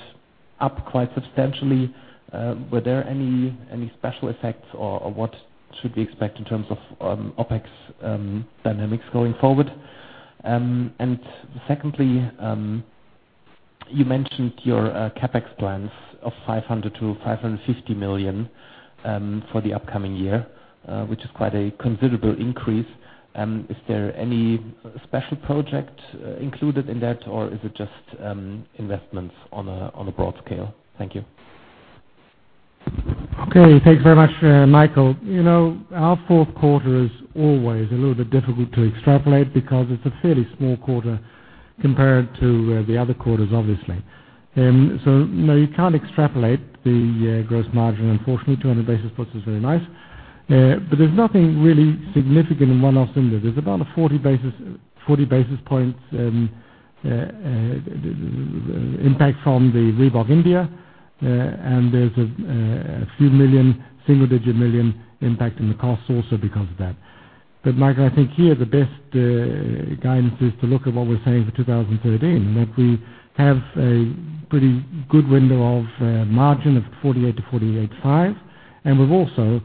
Speaker 6: up quite substantially. Were there any special effects or what should we expect in terms of OpEx dynamics going forward? Secondly, you mentioned your CapEx plans of 500 million to 550 million for the upcoming year, which is quite a considerable increase. Is there any special project included in that, or is it just investments on a broad scale? Thank you.
Speaker 4: Okay, thanks very much, Michael. Our fourth quarter is always a little bit difficult to extrapolate because it's a fairly small quarter compared to the other quarters, obviously. No, you can't extrapolate the gross margin, unfortunately. 200 basis points is very nice. There's nothing really significant in one-offs in that. There's about a 40 basis points impact from the Reebok India, and there's a few million, single-digit million impact in the costs also because of that. Michael, I think here, the best guidance is to look at what we're saying for 2013, in that we have a pretty good window of margin of 48% to 48.5%, and we've also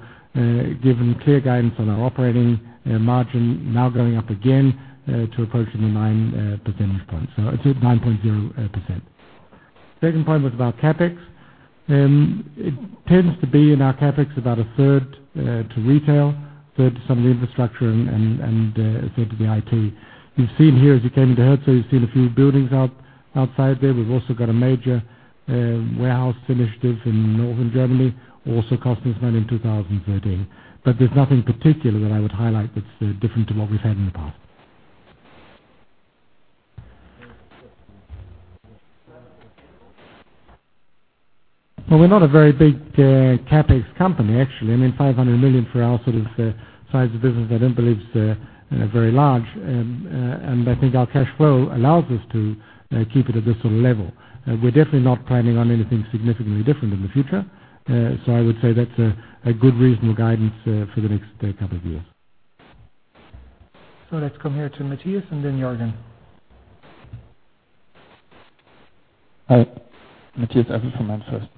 Speaker 4: given clear guidance on our operating margin now going up again to approaching the 9 percentage points. I'd say 9.0%. Second point was about CapEx. It tends to be, in our CapEx, about a third to retail, a third to some of the infrastructure, and a third to the IT. You've seen here, as you came into Herzogenaurach, you've seen a few buildings outside there. We've also got a major warehouse initiative in northern Germany, also costing us money in 2013. There's nothing particular that I would highlight that's different to what we've had in the past.
Speaker 5: Well, we're not a very big CapEx company, actually. I mean, 500 million for our sort of size of business I don't believe is very large. I think our cash flow allows us to keep it at this sort of level. We're definitely not planning on anything significantly different in the future. I would say that's a good reasonable guidance for the next couple of years.
Speaker 2: Let's come here to Matthias and then Jürgen.
Speaker 7: Hi. Matthias Ebbert from Handelsblatt.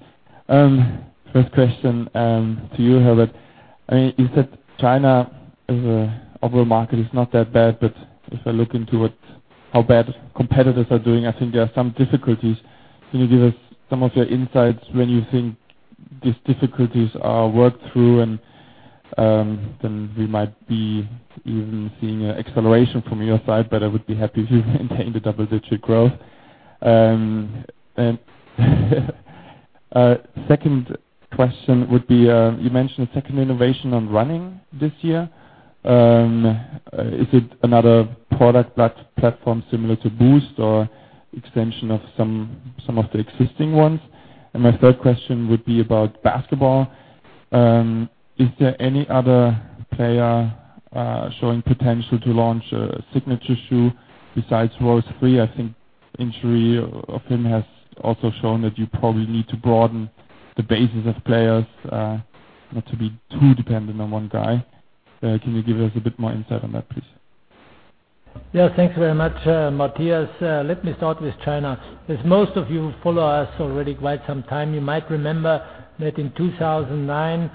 Speaker 7: First question to you, Herbert. You said China as an overall market is not that bad, if I look into how bad competitors are doing, I think there are some difficulties. Can you give us some of your insights when you think these difficulties are worked through? Then we might be even seeing an acceleration from your side, I would be happy if you maintain the double-digit growth. Second question would be, you mentioned a second innovation on running this year. Is it another product platform similar to Boost or extension of some of the existing ones? My third question would be about basketball. Is there any other player showing potential to launch a signature shoe besides Rose 3? I think injury of him has also shown that you probably need to broaden the bases of players, not to be too dependent on one guy. Can you give us a bit more insight on that, please?
Speaker 4: Yeah. Thanks very much, Matthias. Let me start with China. As most of you who follow us already quite some time, you might remember that in 2009,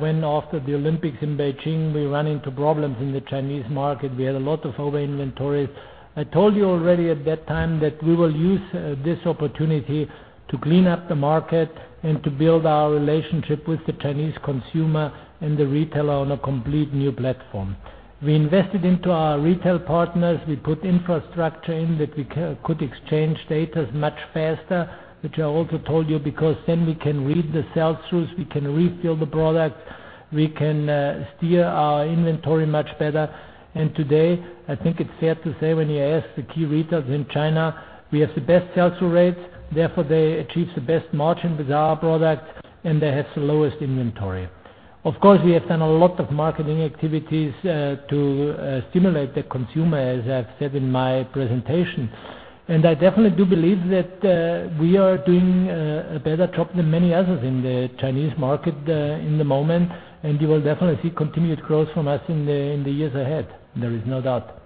Speaker 4: when after the Olympics in Beijing, we ran into problems in the Chinese market. We had a lot of over-inventories. I told you already at that time that we will use this opportunity to clean up the market and to build our relationship with the Chinese consumer and the retailer on a complete new platform. We invested into our retail partners. We put infrastructure in that we could exchange datas much faster, which I also told you, because then we can read the sell-throughs, we can refill the product, we can steer our inventory much better. Today, I think it's fair to say, when you ask the key retailers in China, we have the best sell-through rates, therefore they achieve the best margin with our product, and they have the lowest inventory. Of course, we have done a lot of marketing activities to stimulate the consumer, as I've said in my presentation. I definitely do believe that we are doing a better job than many others in the Chinese market in the moment. You will definitely see continued growth from us in the years ahead. There is no doubt.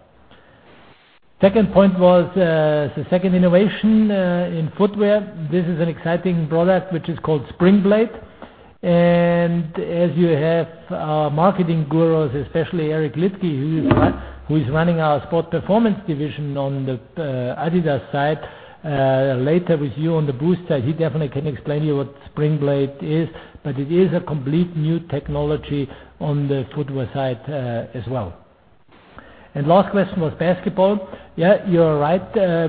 Speaker 4: Second point was the second innovation in footwear. This is an exciting product, which is called Springblade. As you have our marketing gurus, especially Eric Liedtke, who is running our Sport Performance division on the adidas side, later with you on the Boost side. He definitely can explain to you what Springblade is, it is a complete new technology on the footwear side as well. Last question was basketball. Yeah, you are right.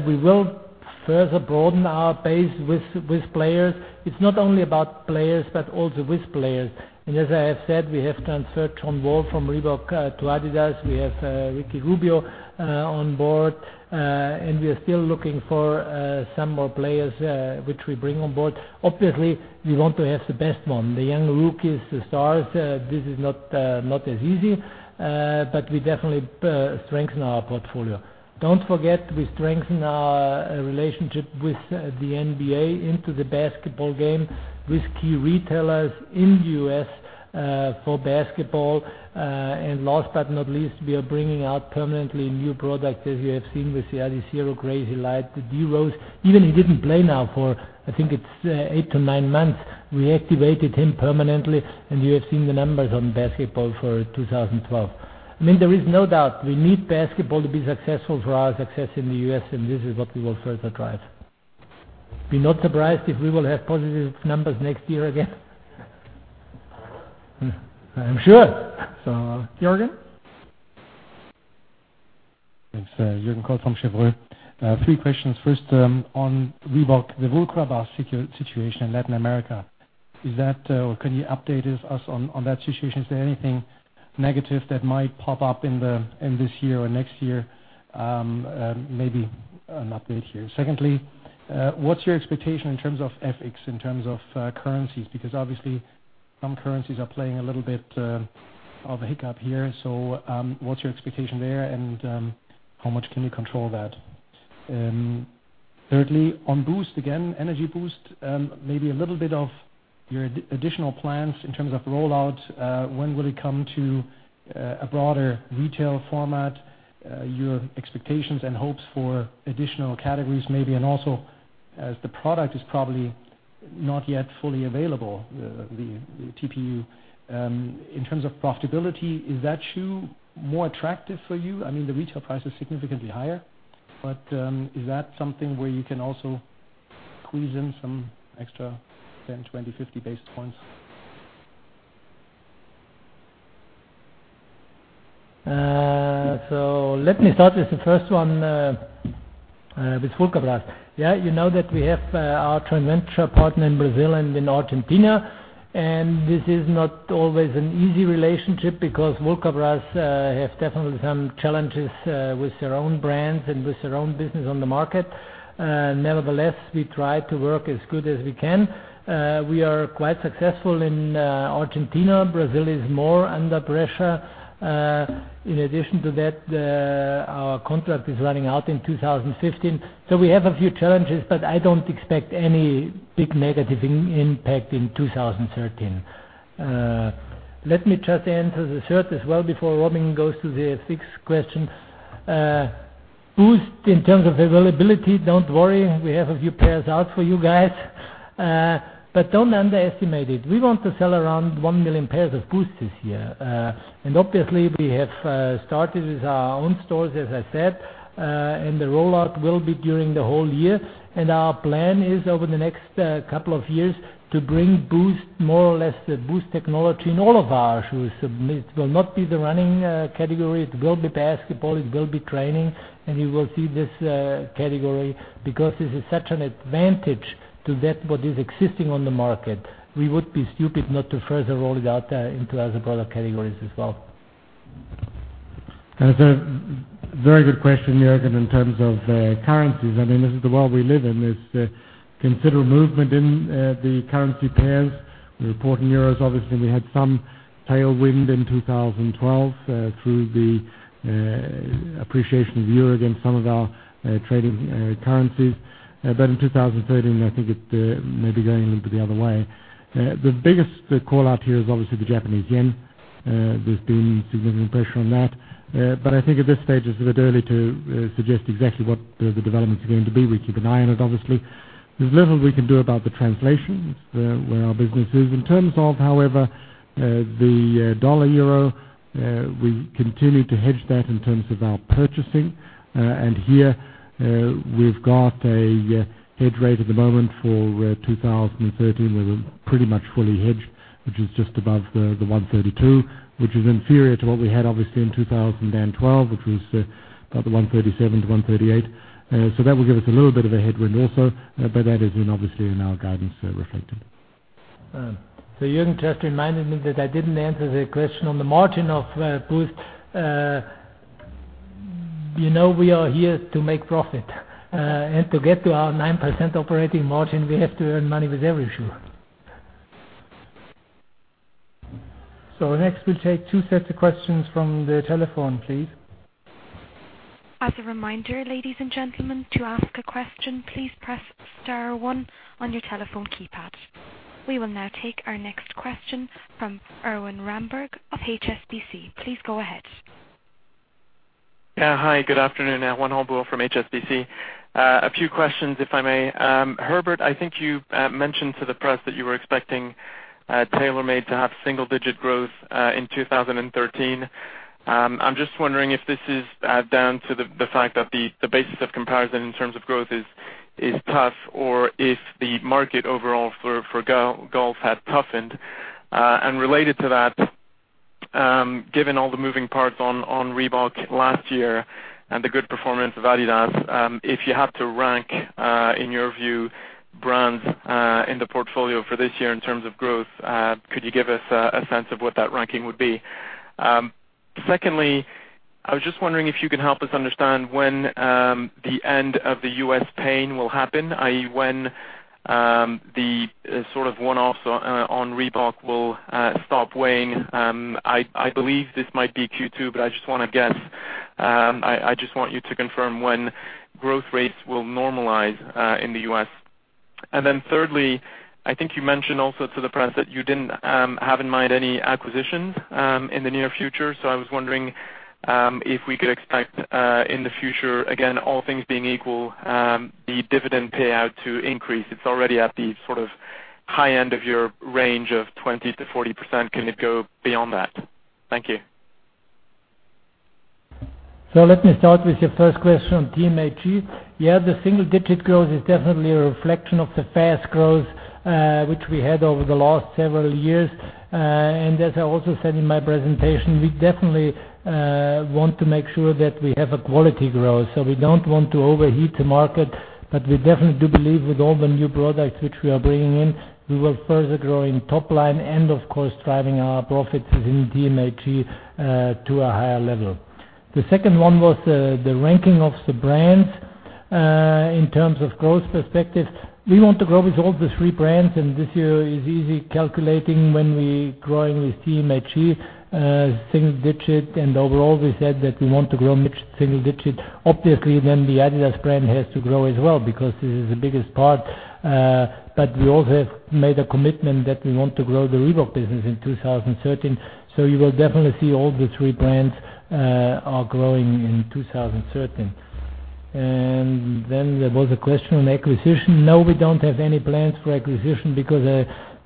Speaker 4: We will further broaden our base with players. It's not only about players but also with players. As I have said, we have transferred John Wall from Reebok to adidas. We have Ricky Rubio on board. We are still looking for some more players which we bring on board. Obviously, we want to have the best one, the young rookies, the stars. This is not as easy. We definitely strengthen our portfolio. Don't forget, we strengthen our relationship with the NBA into the basketball game with key retailers in the U.S. for basketball. Last but not least, we are bringing out permanently new product, as you have seen with the adiZero Crazy Light, the D Rose. Even he didn't play now for, I think it's eight to nine months. We activated him permanently, and you have seen the numbers on basketball for 2012. There is no doubt we need basketball to be successful for our success in the U.S., and this is what we will further drive. Be not surprised if we will have positive numbers next year again. I am sure. Jürgen?
Speaker 8: Thanks. Jürgen Kolb from Cheuvreux. Three questions. First, on Reebok, the Vulcabras situation in Latin America. Can you update us on that situation? Is there anything negative that might pop up in this year or next year, maybe an update here. Secondly, what's your expectation in terms of FX, in terms of currencies? Obviously some currencies are playing a little bit of a hiccup here. What's your expectation there, and how much can you control that? Thirdly, on Boost, again, Energy Boost, maybe a little bit of your additional plans in terms of rollout. When will it come to a broader retail format, your expectations and hopes for additional categories maybe, and also as the product is probably not yet fully available, the TPU. In terms of profitability, is that shoe more attractive for you? I mean, the retail price is significantly higher, is that something where you can also squeeze in some extra 10, 20, 50 base points?
Speaker 4: Let me start with the first one, with Vulcabras. You know that we have our joint venture partner in Brazil and in Argentina, this is not always an easy relationship Vulcabras have definitely some challenges with their own brands and with their own business on the market. Nevertheless, we try to work as good as we can. We are quite successful in Argentina. Brazil is more under pressure. In addition to that, our contract is running out in 2015. We have a few challenges, I don't expect any big negative impact in 2013. Let me just answer the third as well before Robin goes to the sixth question. Boost, in terms of availability, don't worry, we have a few pairs out for you guys. Don't underestimate it. We want to sell around 1 million pairs of Boost this year. We have started with our own stores, as I said, and the rollout will be during the whole year. Our plan is, over the next couple of years, to bring Boost, more or less, the Boost technology in all of our shoes. It will not be the running category, it will be basketball, it will be training, and you will see this category because this is such an advantage to that what is existing on the market. We would be stupid not to further roll it out into other product categories as well.
Speaker 5: It's a very good question, Jürgen, in terms of currencies. This is the world we live in. There's considerable movement in the currency pairs. We report in EUR. Obviously, we had some tailwind in 2012 through the appreciation of the EUR against some of our trading currencies. In 2013, I think it may be going a little bit the other way. The biggest call-out here is obviously the JPY. There's been significant pressure on that. I think at this stage, it's a bit early to suggest exactly what the developments are going to be. We keep an eye on it, obviously. There's little we can do about the translation where our business is. In terms of, however, the dollar-euro, we continue to hedge that in terms of our purchasing. Here we've got a hedge rate at the moment for 2013. We're pretty much fully hedged, which is just above the 132, which is inferior to what we had, obviously, in 2012, which was about the 137-138. That will give us a little bit of a headwind also, that is in, obviously, in our guidance reflected.
Speaker 4: Jürgen just reminded me that I didn't answer the question on the margin of Boost. We are here to make profit. To get to our 9% operating margin, we have to earn money with every shoe.
Speaker 2: Next, we'll take two sets of questions from the telephone, please.
Speaker 1: As a reminder, ladies and gentlemen, to ask a question, please press star 1 on your telephone keypad. We will now take our next question from Erwan Rambourg of HSBC. Please go ahead.
Speaker 9: Hi, good afternoon. Erwan Rambourg from HSBC. A few questions, if I may. Herbert, I think you mentioned to the press that you were expecting TaylorMade to have single-digit growth in 2013. I'm just wondering if this is down to the fact that the basis of comparison in terms of growth is tough or if the market overall for golf had toughened. Related to that, given all the moving parts on Reebok last year and the good performance of adidas, if you had to rank, in your view, brands in the portfolio for this year in terms of growth, could you give us a sense of what that ranking would be? Secondly, I was just wondering if you can help us understand when the end of the U.S. pain will happen, i.e., when the sort of one-offs on Reebok will stop weighing. I believe this might be Q2, but I just want to guess. I just want you to confirm when growth rates will normalize in the U.S. Thirdly, I think you mentioned also to the press that you didn't have in mind any acquisitions in the near future. I was wondering if we could expect in the future, again, all things being equal, the dividend payout to increase. It's already at the sort of high end of your range of 20%-40%. Can it go beyond that? Thank you.
Speaker 4: Let me start with your first question on TMAG. The single-digit growth is definitely a reflection of the fast growth which we had over the last several years. As I also said in my presentation, we definitely want to make sure that we have a quality growth. We don't want to overheat the market, but we definitely do believe with all the new products which we are bringing in, we will further grow in top line and of course, driving our profits within TMAG to a higher level. The second one was the ranking of the brands in terms of growth perspective. We want to grow with all the three brands, and this year is easy calculating when we growing with TMAG single-digit, and overall, we said that we want to grow mid-single-digit. Obviously, the adidas brand has to grow as well because this is the biggest part. We also have made a commitment that we want to grow the Reebok business in 2013. You will definitely see all the three brands are growing in 2013. There was a question on acquisition. No, we don't have any plans for acquisition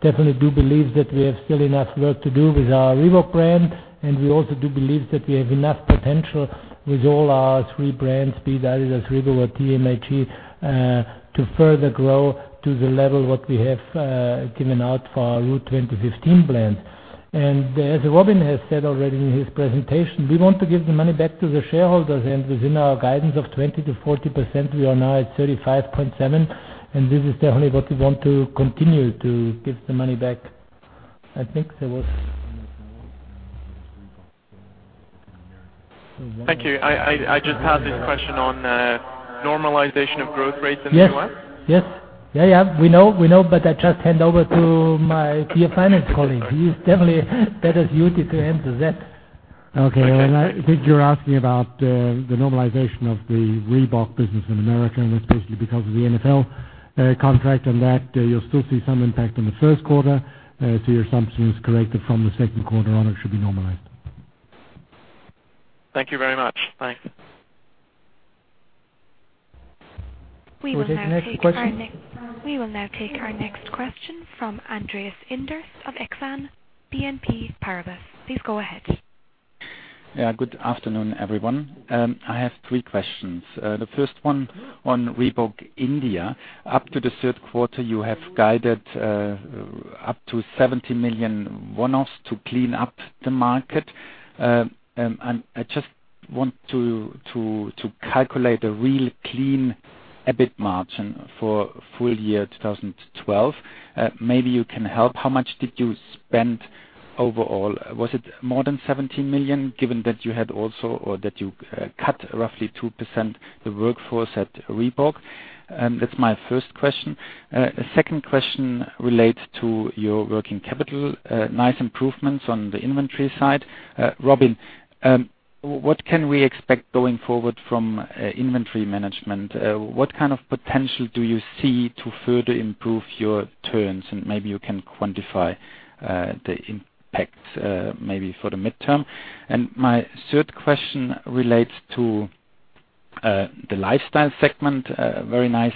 Speaker 4: because I definitely do believe that we have still enough work to do with our Reebok brand, and we also do believe that we have enough potential with all our three brands, be it adidas, Reebok, or TMAG, to further grow to the level what we have given out for our Route 2015 plan. As Robin has said already in his presentation, we want to give the money back to the shareholders, and within our guidance of 20%-40%, we are now at 35.7%, and this is definitely what we want to continue to give the money back.
Speaker 9: Thank you. I just had this question on normalization of growth rates in the U.S.
Speaker 4: Yes. We know, but I just hand over to my dear finance colleague. He is definitely better suited to answer that.
Speaker 5: Okay. I think you are asking about the normalization of the Reebok business in America, and especially because of the NFL contract and that you will still see some impact in the first quarter. Your assumption is correct that from the second quarter on, it should be normalized.
Speaker 9: Thank you very much. Bye.
Speaker 1: We will now take our next question from Andreas Inderst of Exane BNP Paribas. Please go ahead.
Speaker 10: Good afternoon, everyone. I have three questions. The first one on Reebok India. Up to the third quarter, you have guided up to 70 million one-offs to clean up the market. I just want to calculate a real clean EBIT margin for full year 2012. Maybe you can help. How much did you spend overall? Was it more than 70 million, given that you cut roughly 2% the workforce at Reebok? That's my first question. Second question relates to your working capital. Nice improvements on the inventory side. Robin, what can we expect going forward from inventory management? What kind of potential do you see to further improve your turns? Maybe you can quantify the impacts maybe for the midterm. My third question relates to the lifestyle segment. Very nice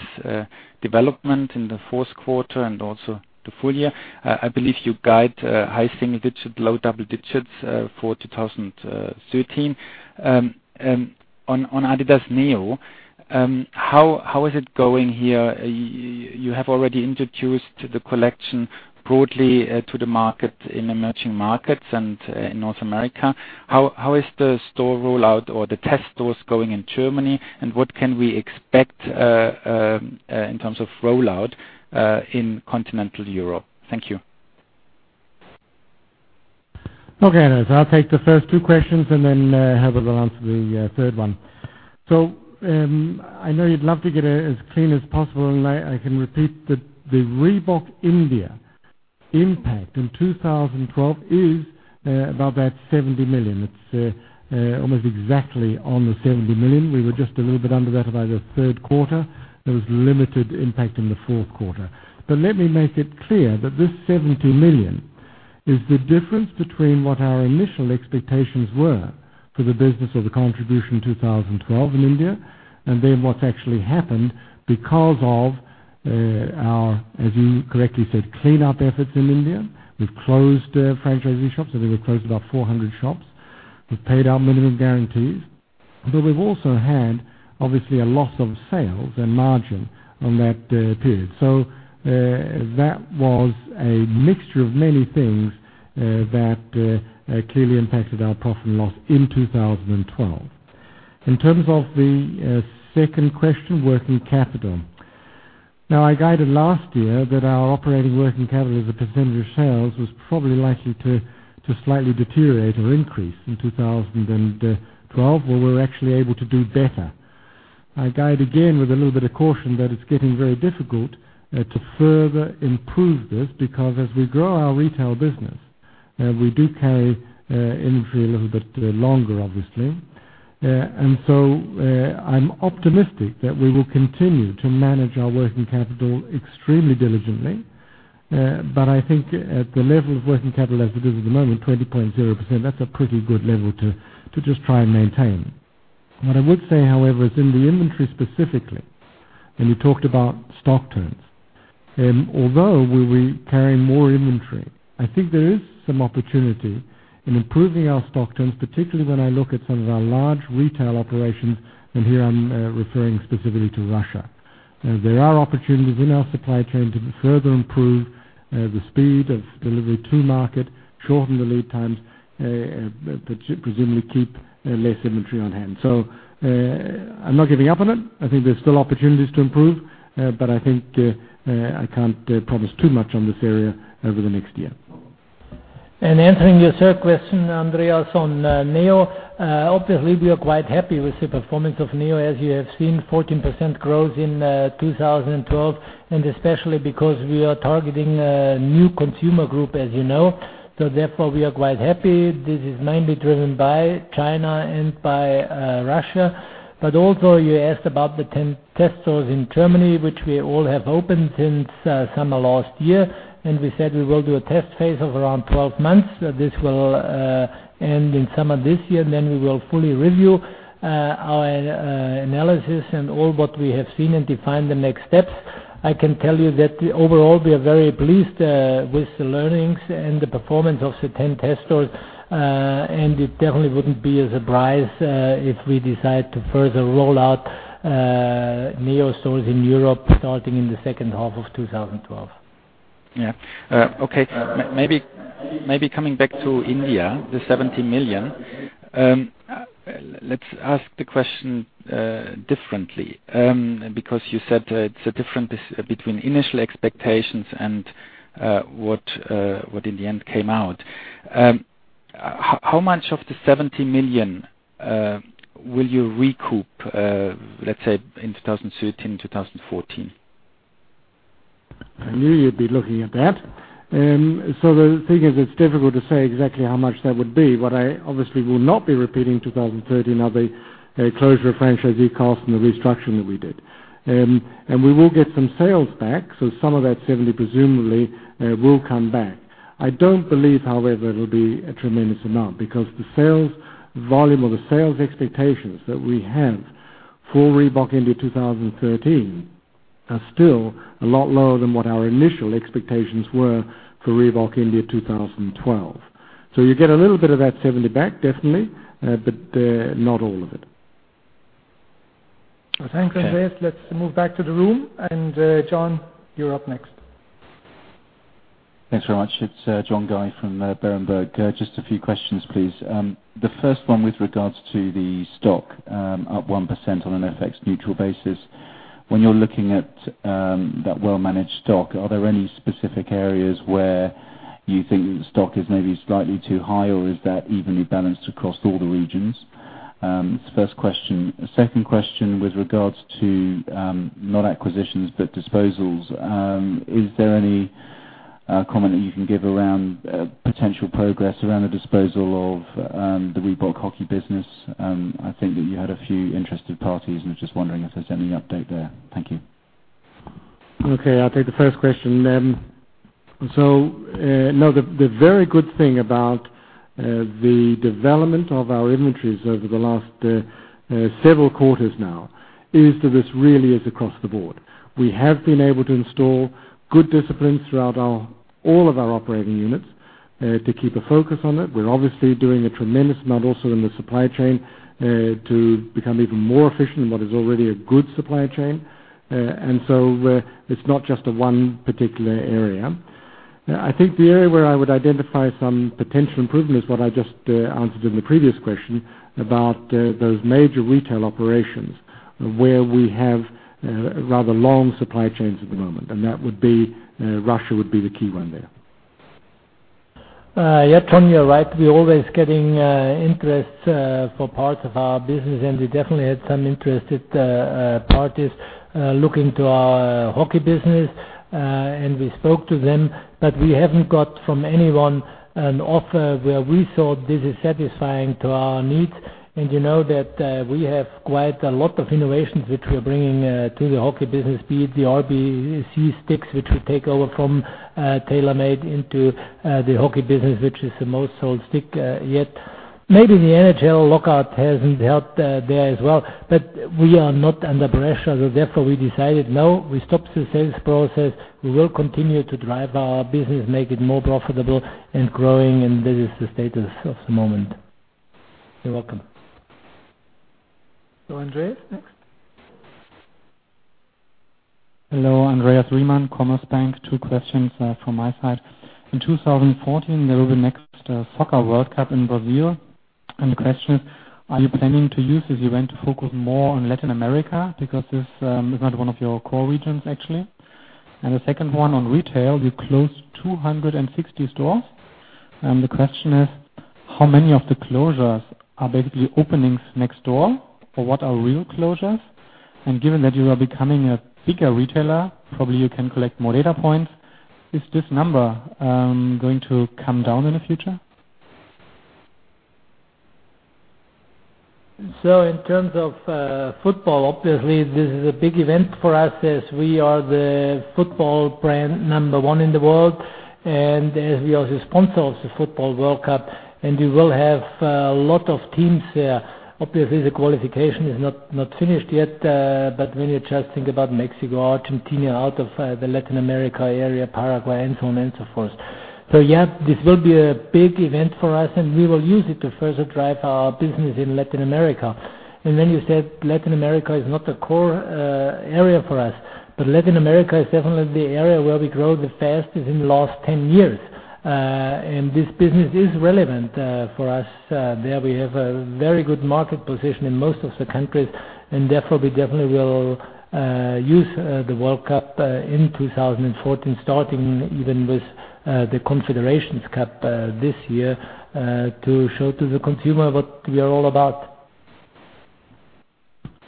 Speaker 10: development in the fourth quarter and also the full year. I believe you guide high single digit, low double digits for 2013. On adidas NEO, how is it going here? You have already introduced the collection broadly to the market in emerging markets and in North America. How is the store rollout or the test stores going in Germany, and what can we expect in terms of rollout in Continental Europe? Thank you.
Speaker 5: I'll take the first two questions. Herbert will answer the third one. I know you'd love to get it as clean as possible. I can repeat the Reebok India impact in 2012 is about that 70 million. It's almost exactly on the 70 million. We were just a little bit under that about the third quarter. There was limited impact in the fourth quarter. Let me make it clear that this 70 million is the difference between what our initial expectations were for the business or the contribution 2012 in India, what's actually happened because of our, as you correctly said, clean up efforts in India. We've closed franchising shops. I think we've closed about 400 shops. We've paid our minimum guarantees. We've also had, obviously, a loss of sales and margin on that period. That was a mixture of many things that clearly impacted our profit and loss in 2012. In terms of the second question, working capital. I guided last year that our operating working capital as a percentage of sales was probably likely to slightly deteriorate or increase in 2012, where we're actually able to do better. I guide again with a little bit of caution that it's getting very difficult to further improve this, because as we grow our retail business, we do carry inventory a little bit longer, obviously. I'm optimistic that we will continue to manage our working capital extremely diligently. I think at the level of working capital as it is at the moment, 20.0%, that's a pretty good level to just try and maintain. What I would say, however, is in the inventory specifically, you talked about stock turns. Although we will be carrying more inventory, I think there is some opportunity in improving our stock turns, particularly when I look at some of our large retail operations, and here I'm referring specifically to Russia. There are opportunities in our supply chain to further improve the speed of delivery to market, shorten the lead times, presumably keep less inventory on hand. I'm not giving up on it. I think there's still opportunities to improve, but I think I can't promise too much on this area over the next year.
Speaker 4: Answering your third question, Andreas, on NEO. Obviously, we are quite happy with the performance of NEO, as you have seen, 14% growth in 2012, and especially because we are targeting a new consumer group, as you know. Therefore, we are quite happy. This is mainly driven by China and by Russia. Also, you asked about the 10 test stores in Germany, which we all have opened since summer last year, and we said we will do a test phase of around 12 months. This will end in summer this year, and then we will fully review our analysis and all what we have seen and define the next steps. I can tell you that overall, we are very pleased with the learnings and the performance of the 10 test stores. It definitely wouldn't be a surprise if we decide to further roll out NEO stores in Europe starting in the second half of 2012.
Speaker 10: Yeah. Okay. Maybe coming back to India, the 70 million. Let's ask the question differently. You said it's a difference between initial expectations and what in the end came out. How much of the 70 million will you recoup, let's say in 2013, 2014?
Speaker 5: I knew you'd be looking at that. The thing is, it's difficult to say exactly how much that would be. What I obviously will not be repeating in 2013 are the closure of franchisee cost and the restructuring that we did. We will get some sales back, so some of that 70 presumably will come back. I don't believe, however, it'll be a tremendous amount because the sales volume or the sales expectations that we have for Reebok India 2013 are still a lot lower than what our initial expectations were for Reebok India 2012. You get a little bit of that 70 back, definitely, but not all of it.
Speaker 2: Okay. Thanks, Andreas. Let's move back to the room. John, you're up next.
Speaker 11: Thanks very much. It's John Guy from Berenberg. Just a few questions, please. The first one with regards to the stock, up 1% on an FX neutral basis. When you're looking at that well-managed stock, are there any specific areas where you think the stock is maybe slightly too high, or is that evenly balanced across all the regions? It's the first question. Second question with regards to, not acquisitions, but disposals. Is there any comment that you can give around potential progress around the disposal of the Reebok Hockey business? I think that you had a few interested parties, was just wondering if there's any update there. Thank you.
Speaker 5: I'll take the first question then. No, the very good thing about the development of our inventories over the last several quarters now is that this really is across the board. We have been able to install good disciplines throughout all of our operating units, to keep a focus on it. We're obviously doing a tremendous amount also in the supply chain to become even more efficient in what is already a good supply chain. It's not just a one particular area. I think the area where I would identify some potential improvement is what I just answered in the previous question about those major retail operations where we have rather long supply chains at the moment. That would be, Russia would be the key one there.
Speaker 4: John, you're right. We're always getting interests for parts of our business, we definitely had some interested parties looking to our hockey business. We spoke to them, we haven't got from anyone an offer where we thought this is satisfying to our needs. You know that we have quite a lot of innovations which we're bringing to the hockey business, be it the RBZ sticks, which we take over from TaylorMade into the hockey business, which is the most sold stick yet. Maybe the NHL lockout hasn't helped there as well, we are not under pressure. Therefore, we decided, no, we stop the sales process. We will continue to drive our business, make it more profitable and growing, and this is the status of the moment. You're welcome.
Speaker 2: Andreas, next.
Speaker 12: Hello. Andreas Riemann, Commerzbank. Two questions from my side. In 2014, there will be next FIFA World Cup in Brazil. The question is, are you planning to use this event to focus more on Latin America because this is not one of your core regions, actually? The second one on retail, you closed 260 stores. The question is, how many of the closures are basically openings next door, or what are real closures? Given that you are becoming a bigger retailer, probably you can collect more data points. Is this number going to come down in the future?
Speaker 4: In terms of football, obviously this is a big event for us as we are the football brand number one in the world as we are the sponsor of the FIFA World Cup, and we will have a lot of teams there. Obviously, the qualification is not finished yet, when you just think about Mexico, Argentina, out of the Latin America area, Paraguay, and so on and so forth. Yeah, this will be a big event for us, we will use it to further drive our business in Latin America. When you said Latin America is not a core area for us, Latin America is definitely the area where we grow the fastest in the last 10 years. This business is relevant for us. There we have a very good market position in most of the countries. Therefore, we definitely will use the World Cup in 2014, starting even with the Confederations Cup this year, to show to the consumer what we are all about.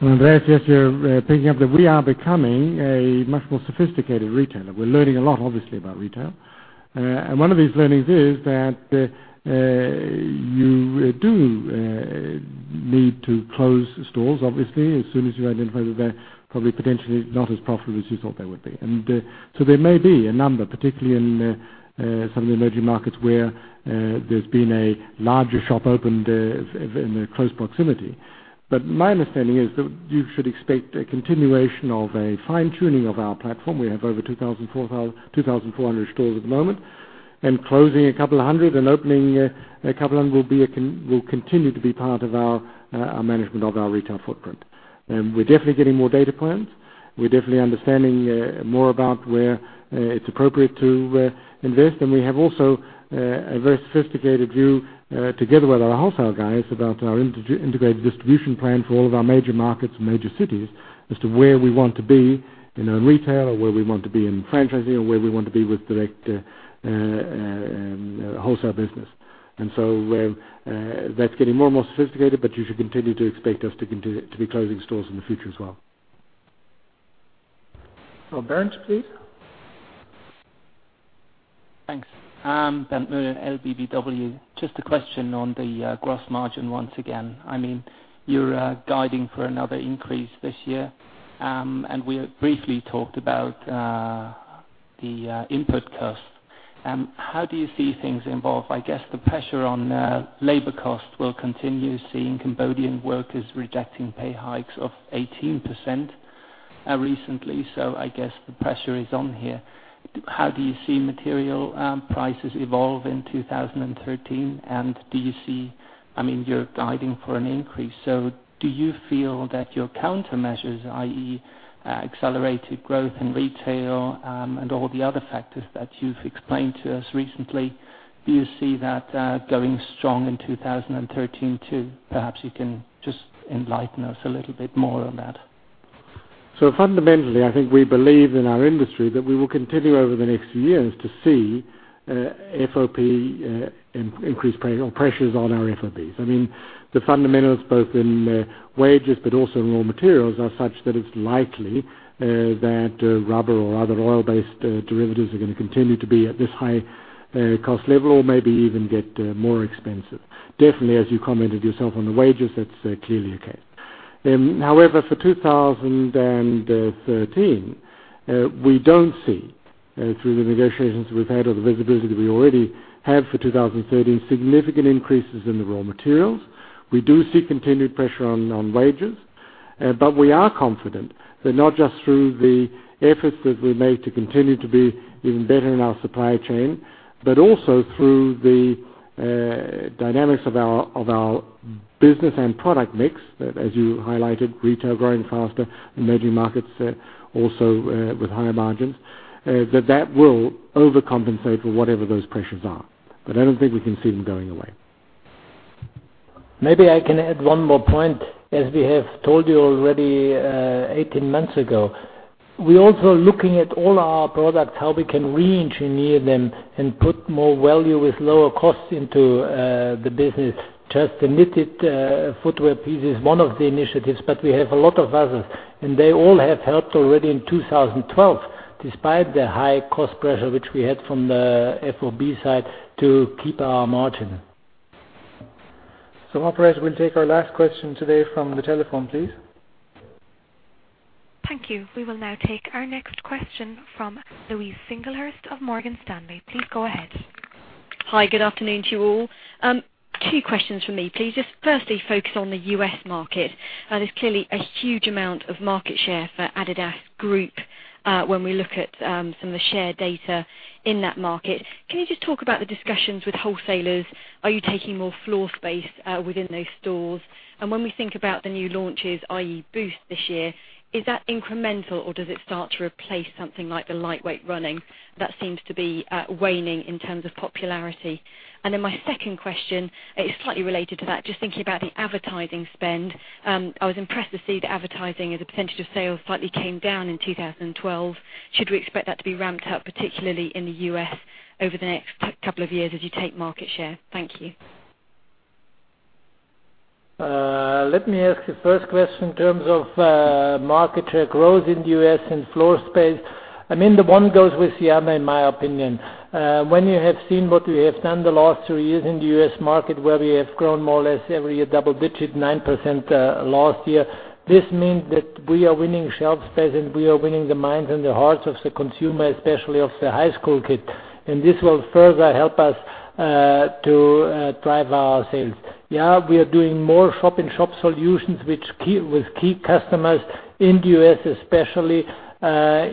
Speaker 5: Andreas, yes, you're picking up that we are becoming a much more sophisticated retailer. We're learning a lot, obviously, about retail. One of these learnings is that you do need to close stores, obviously, as soon as you identify that they're probably potentially not as profitable as you thought they would be. There may be a number, particularly in some of the emerging markets where there's been a larger shop opened in a close proximity. My understanding is that you should expect a continuation of a fine-tuning of our platform. We have over 2,400 stores at the moment, and closing a couple of hundred and opening a couple of hundred will continue to be part of our management of our retail footprint. We're definitely getting more data points. We're definitely understanding more about where it's appropriate to invest. We have also a very sophisticated view together with our wholesale guys about our integrated distribution plan for all of our major markets and major cities as to where we want to be in retail, or where we want to be in franchising, or where we want to be with direct wholesale business. That's getting more and more sophisticated, you should continue to expect us to be closing stores in the future as well.
Speaker 2: Bernd, please.
Speaker 13: Thanks. [Bernd Moehn], LBBW. Just a question on the gross margin once again. You're guiding for another increase this year, and we briefly talked about the input costs. How do you see things evolve? I guess the pressure on labor cost will continue, seeing Cambodian workers rejecting pay hikes of 18% recently. I guess the pressure is on here. How do you see material prices evolve in 2013? You're guiding for an increase. Do you feel that your countermeasures, i.e., accelerated growth in retail, and all the other factors that you've explained to us recently, do you see that going strong in 2013 too? Perhaps you can just enlighten us a little bit more on that.
Speaker 5: Fundamentally, I think we believe in our industry that we will continue over the next few years to see increased pressures on our FOBs. The fundamentals, both in wages but also in raw materials, are such that it's likely that rubber or other oil-based derivatives are going to continue to be at this high cost level or maybe even get more expensive. Definitely, as you commented yourself on the wages, that's clearly a case. However, for 2013, we don't see, through the negotiations we've had or the visibility that we already have for 2013, significant increases in the raw materials. We do see continued pressure on wages. We are confident that not just through the efforts that we make to continue to be even better in our supply chain, but also through the dynamics of our business and product mix, as you highlighted, retail growing faster, emerging markets also with higher margins, that will overcompensate for whatever those pressures are. I don't think we can see them going away.
Speaker 4: Maybe I can add one more point. As we have told you already 18 months ago, we're also looking at all our products, how we can re-engineer them and put more value with lower costs into the business. Just the knitted footwear piece is one of the initiatives, but we have a lot of others, and they all have helped already in 2012, despite the high cost pressure which we had from the FOB side to keep our margin.
Speaker 2: Operator, we will take our last question today from the telephone, please.
Speaker 1: Thank you. We will now take our next question from Louise Singlehurst of Morgan Stanley. Please go ahead.
Speaker 14: Hi, good afternoon to you all. two questions from me, please. Just firstly, focus on the U.S. market. There is clearly a huge amount of market share for adidas Group when we look at some of the share data in that market. Can you just talk about the discussions with wholesalers? Are you taking more floor space within those stores? When we think about the new launches, i.e. Boost this year, is that incremental, or does it start to replace something like the lightweight running that seems to be waning in terms of popularity? My second question is slightly related to that. Just thinking about the advertising spend. I was impressed to see that advertising as a percentage of sales slightly came down in 2012. Should we expect that to be ramped up, particularly in the U.S., over the next couple of years as you take market share? Thank you.
Speaker 4: Let me ask the first question in terms of market share growth in the U.S. and floor space. The one goes with the other, in my opinion. When you have seen what we have done the last three years in the U.S. market, where we have grown more or less every double digit, 9% last year. This means that we are winning shelf space and we are winning the minds and the hearts of the consumer, especially of the high school kid. This will further help us to drive our sales. We are doing more shop-in-shop solutions with key customers in the U.S., especially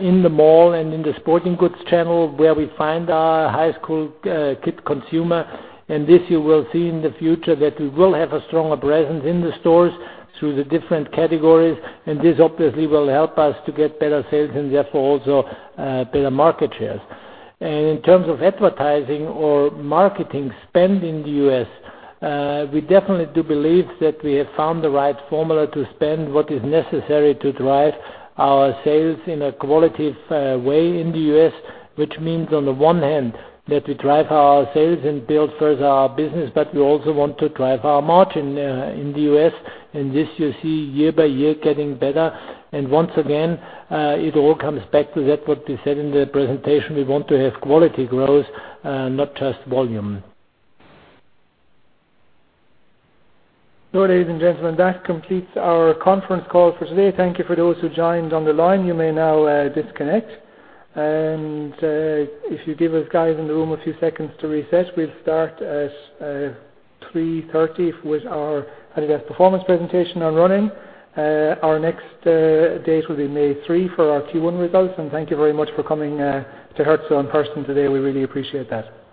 Speaker 4: in the mall and in the sporting goods channel, where we find our high school kid consumer. This you will see in the future that we will have a stronger presence in the stores through the different categories, and this obviously will help us to get better sales and therefore also better market shares. In terms of advertising or marketing spend in the U.S., we definitely do believe that we have found the right formula to spend what is necessary to drive our sales in a qualitative way in the U.S., which means, on the one hand, that we drive our sales and build further our business, but we also want to drive our margin in the U.S. This you see year by year getting better. Once again, it all comes back to that what we said in the presentation. We want to have quality growth, not just volume.
Speaker 2: Ladies and gentlemen, that completes our conference call for today. Thank you for those who joined on the line. You may now disconnect. If you give us guys in the room a few seconds to reset, we'll start at 3:30 P.M. with our adidas Sport Performance presentation on running. Our next date will be May 3 for our Q1 results. Thank you very much for coming to Herzogenaurach in person today. We really appreciate that.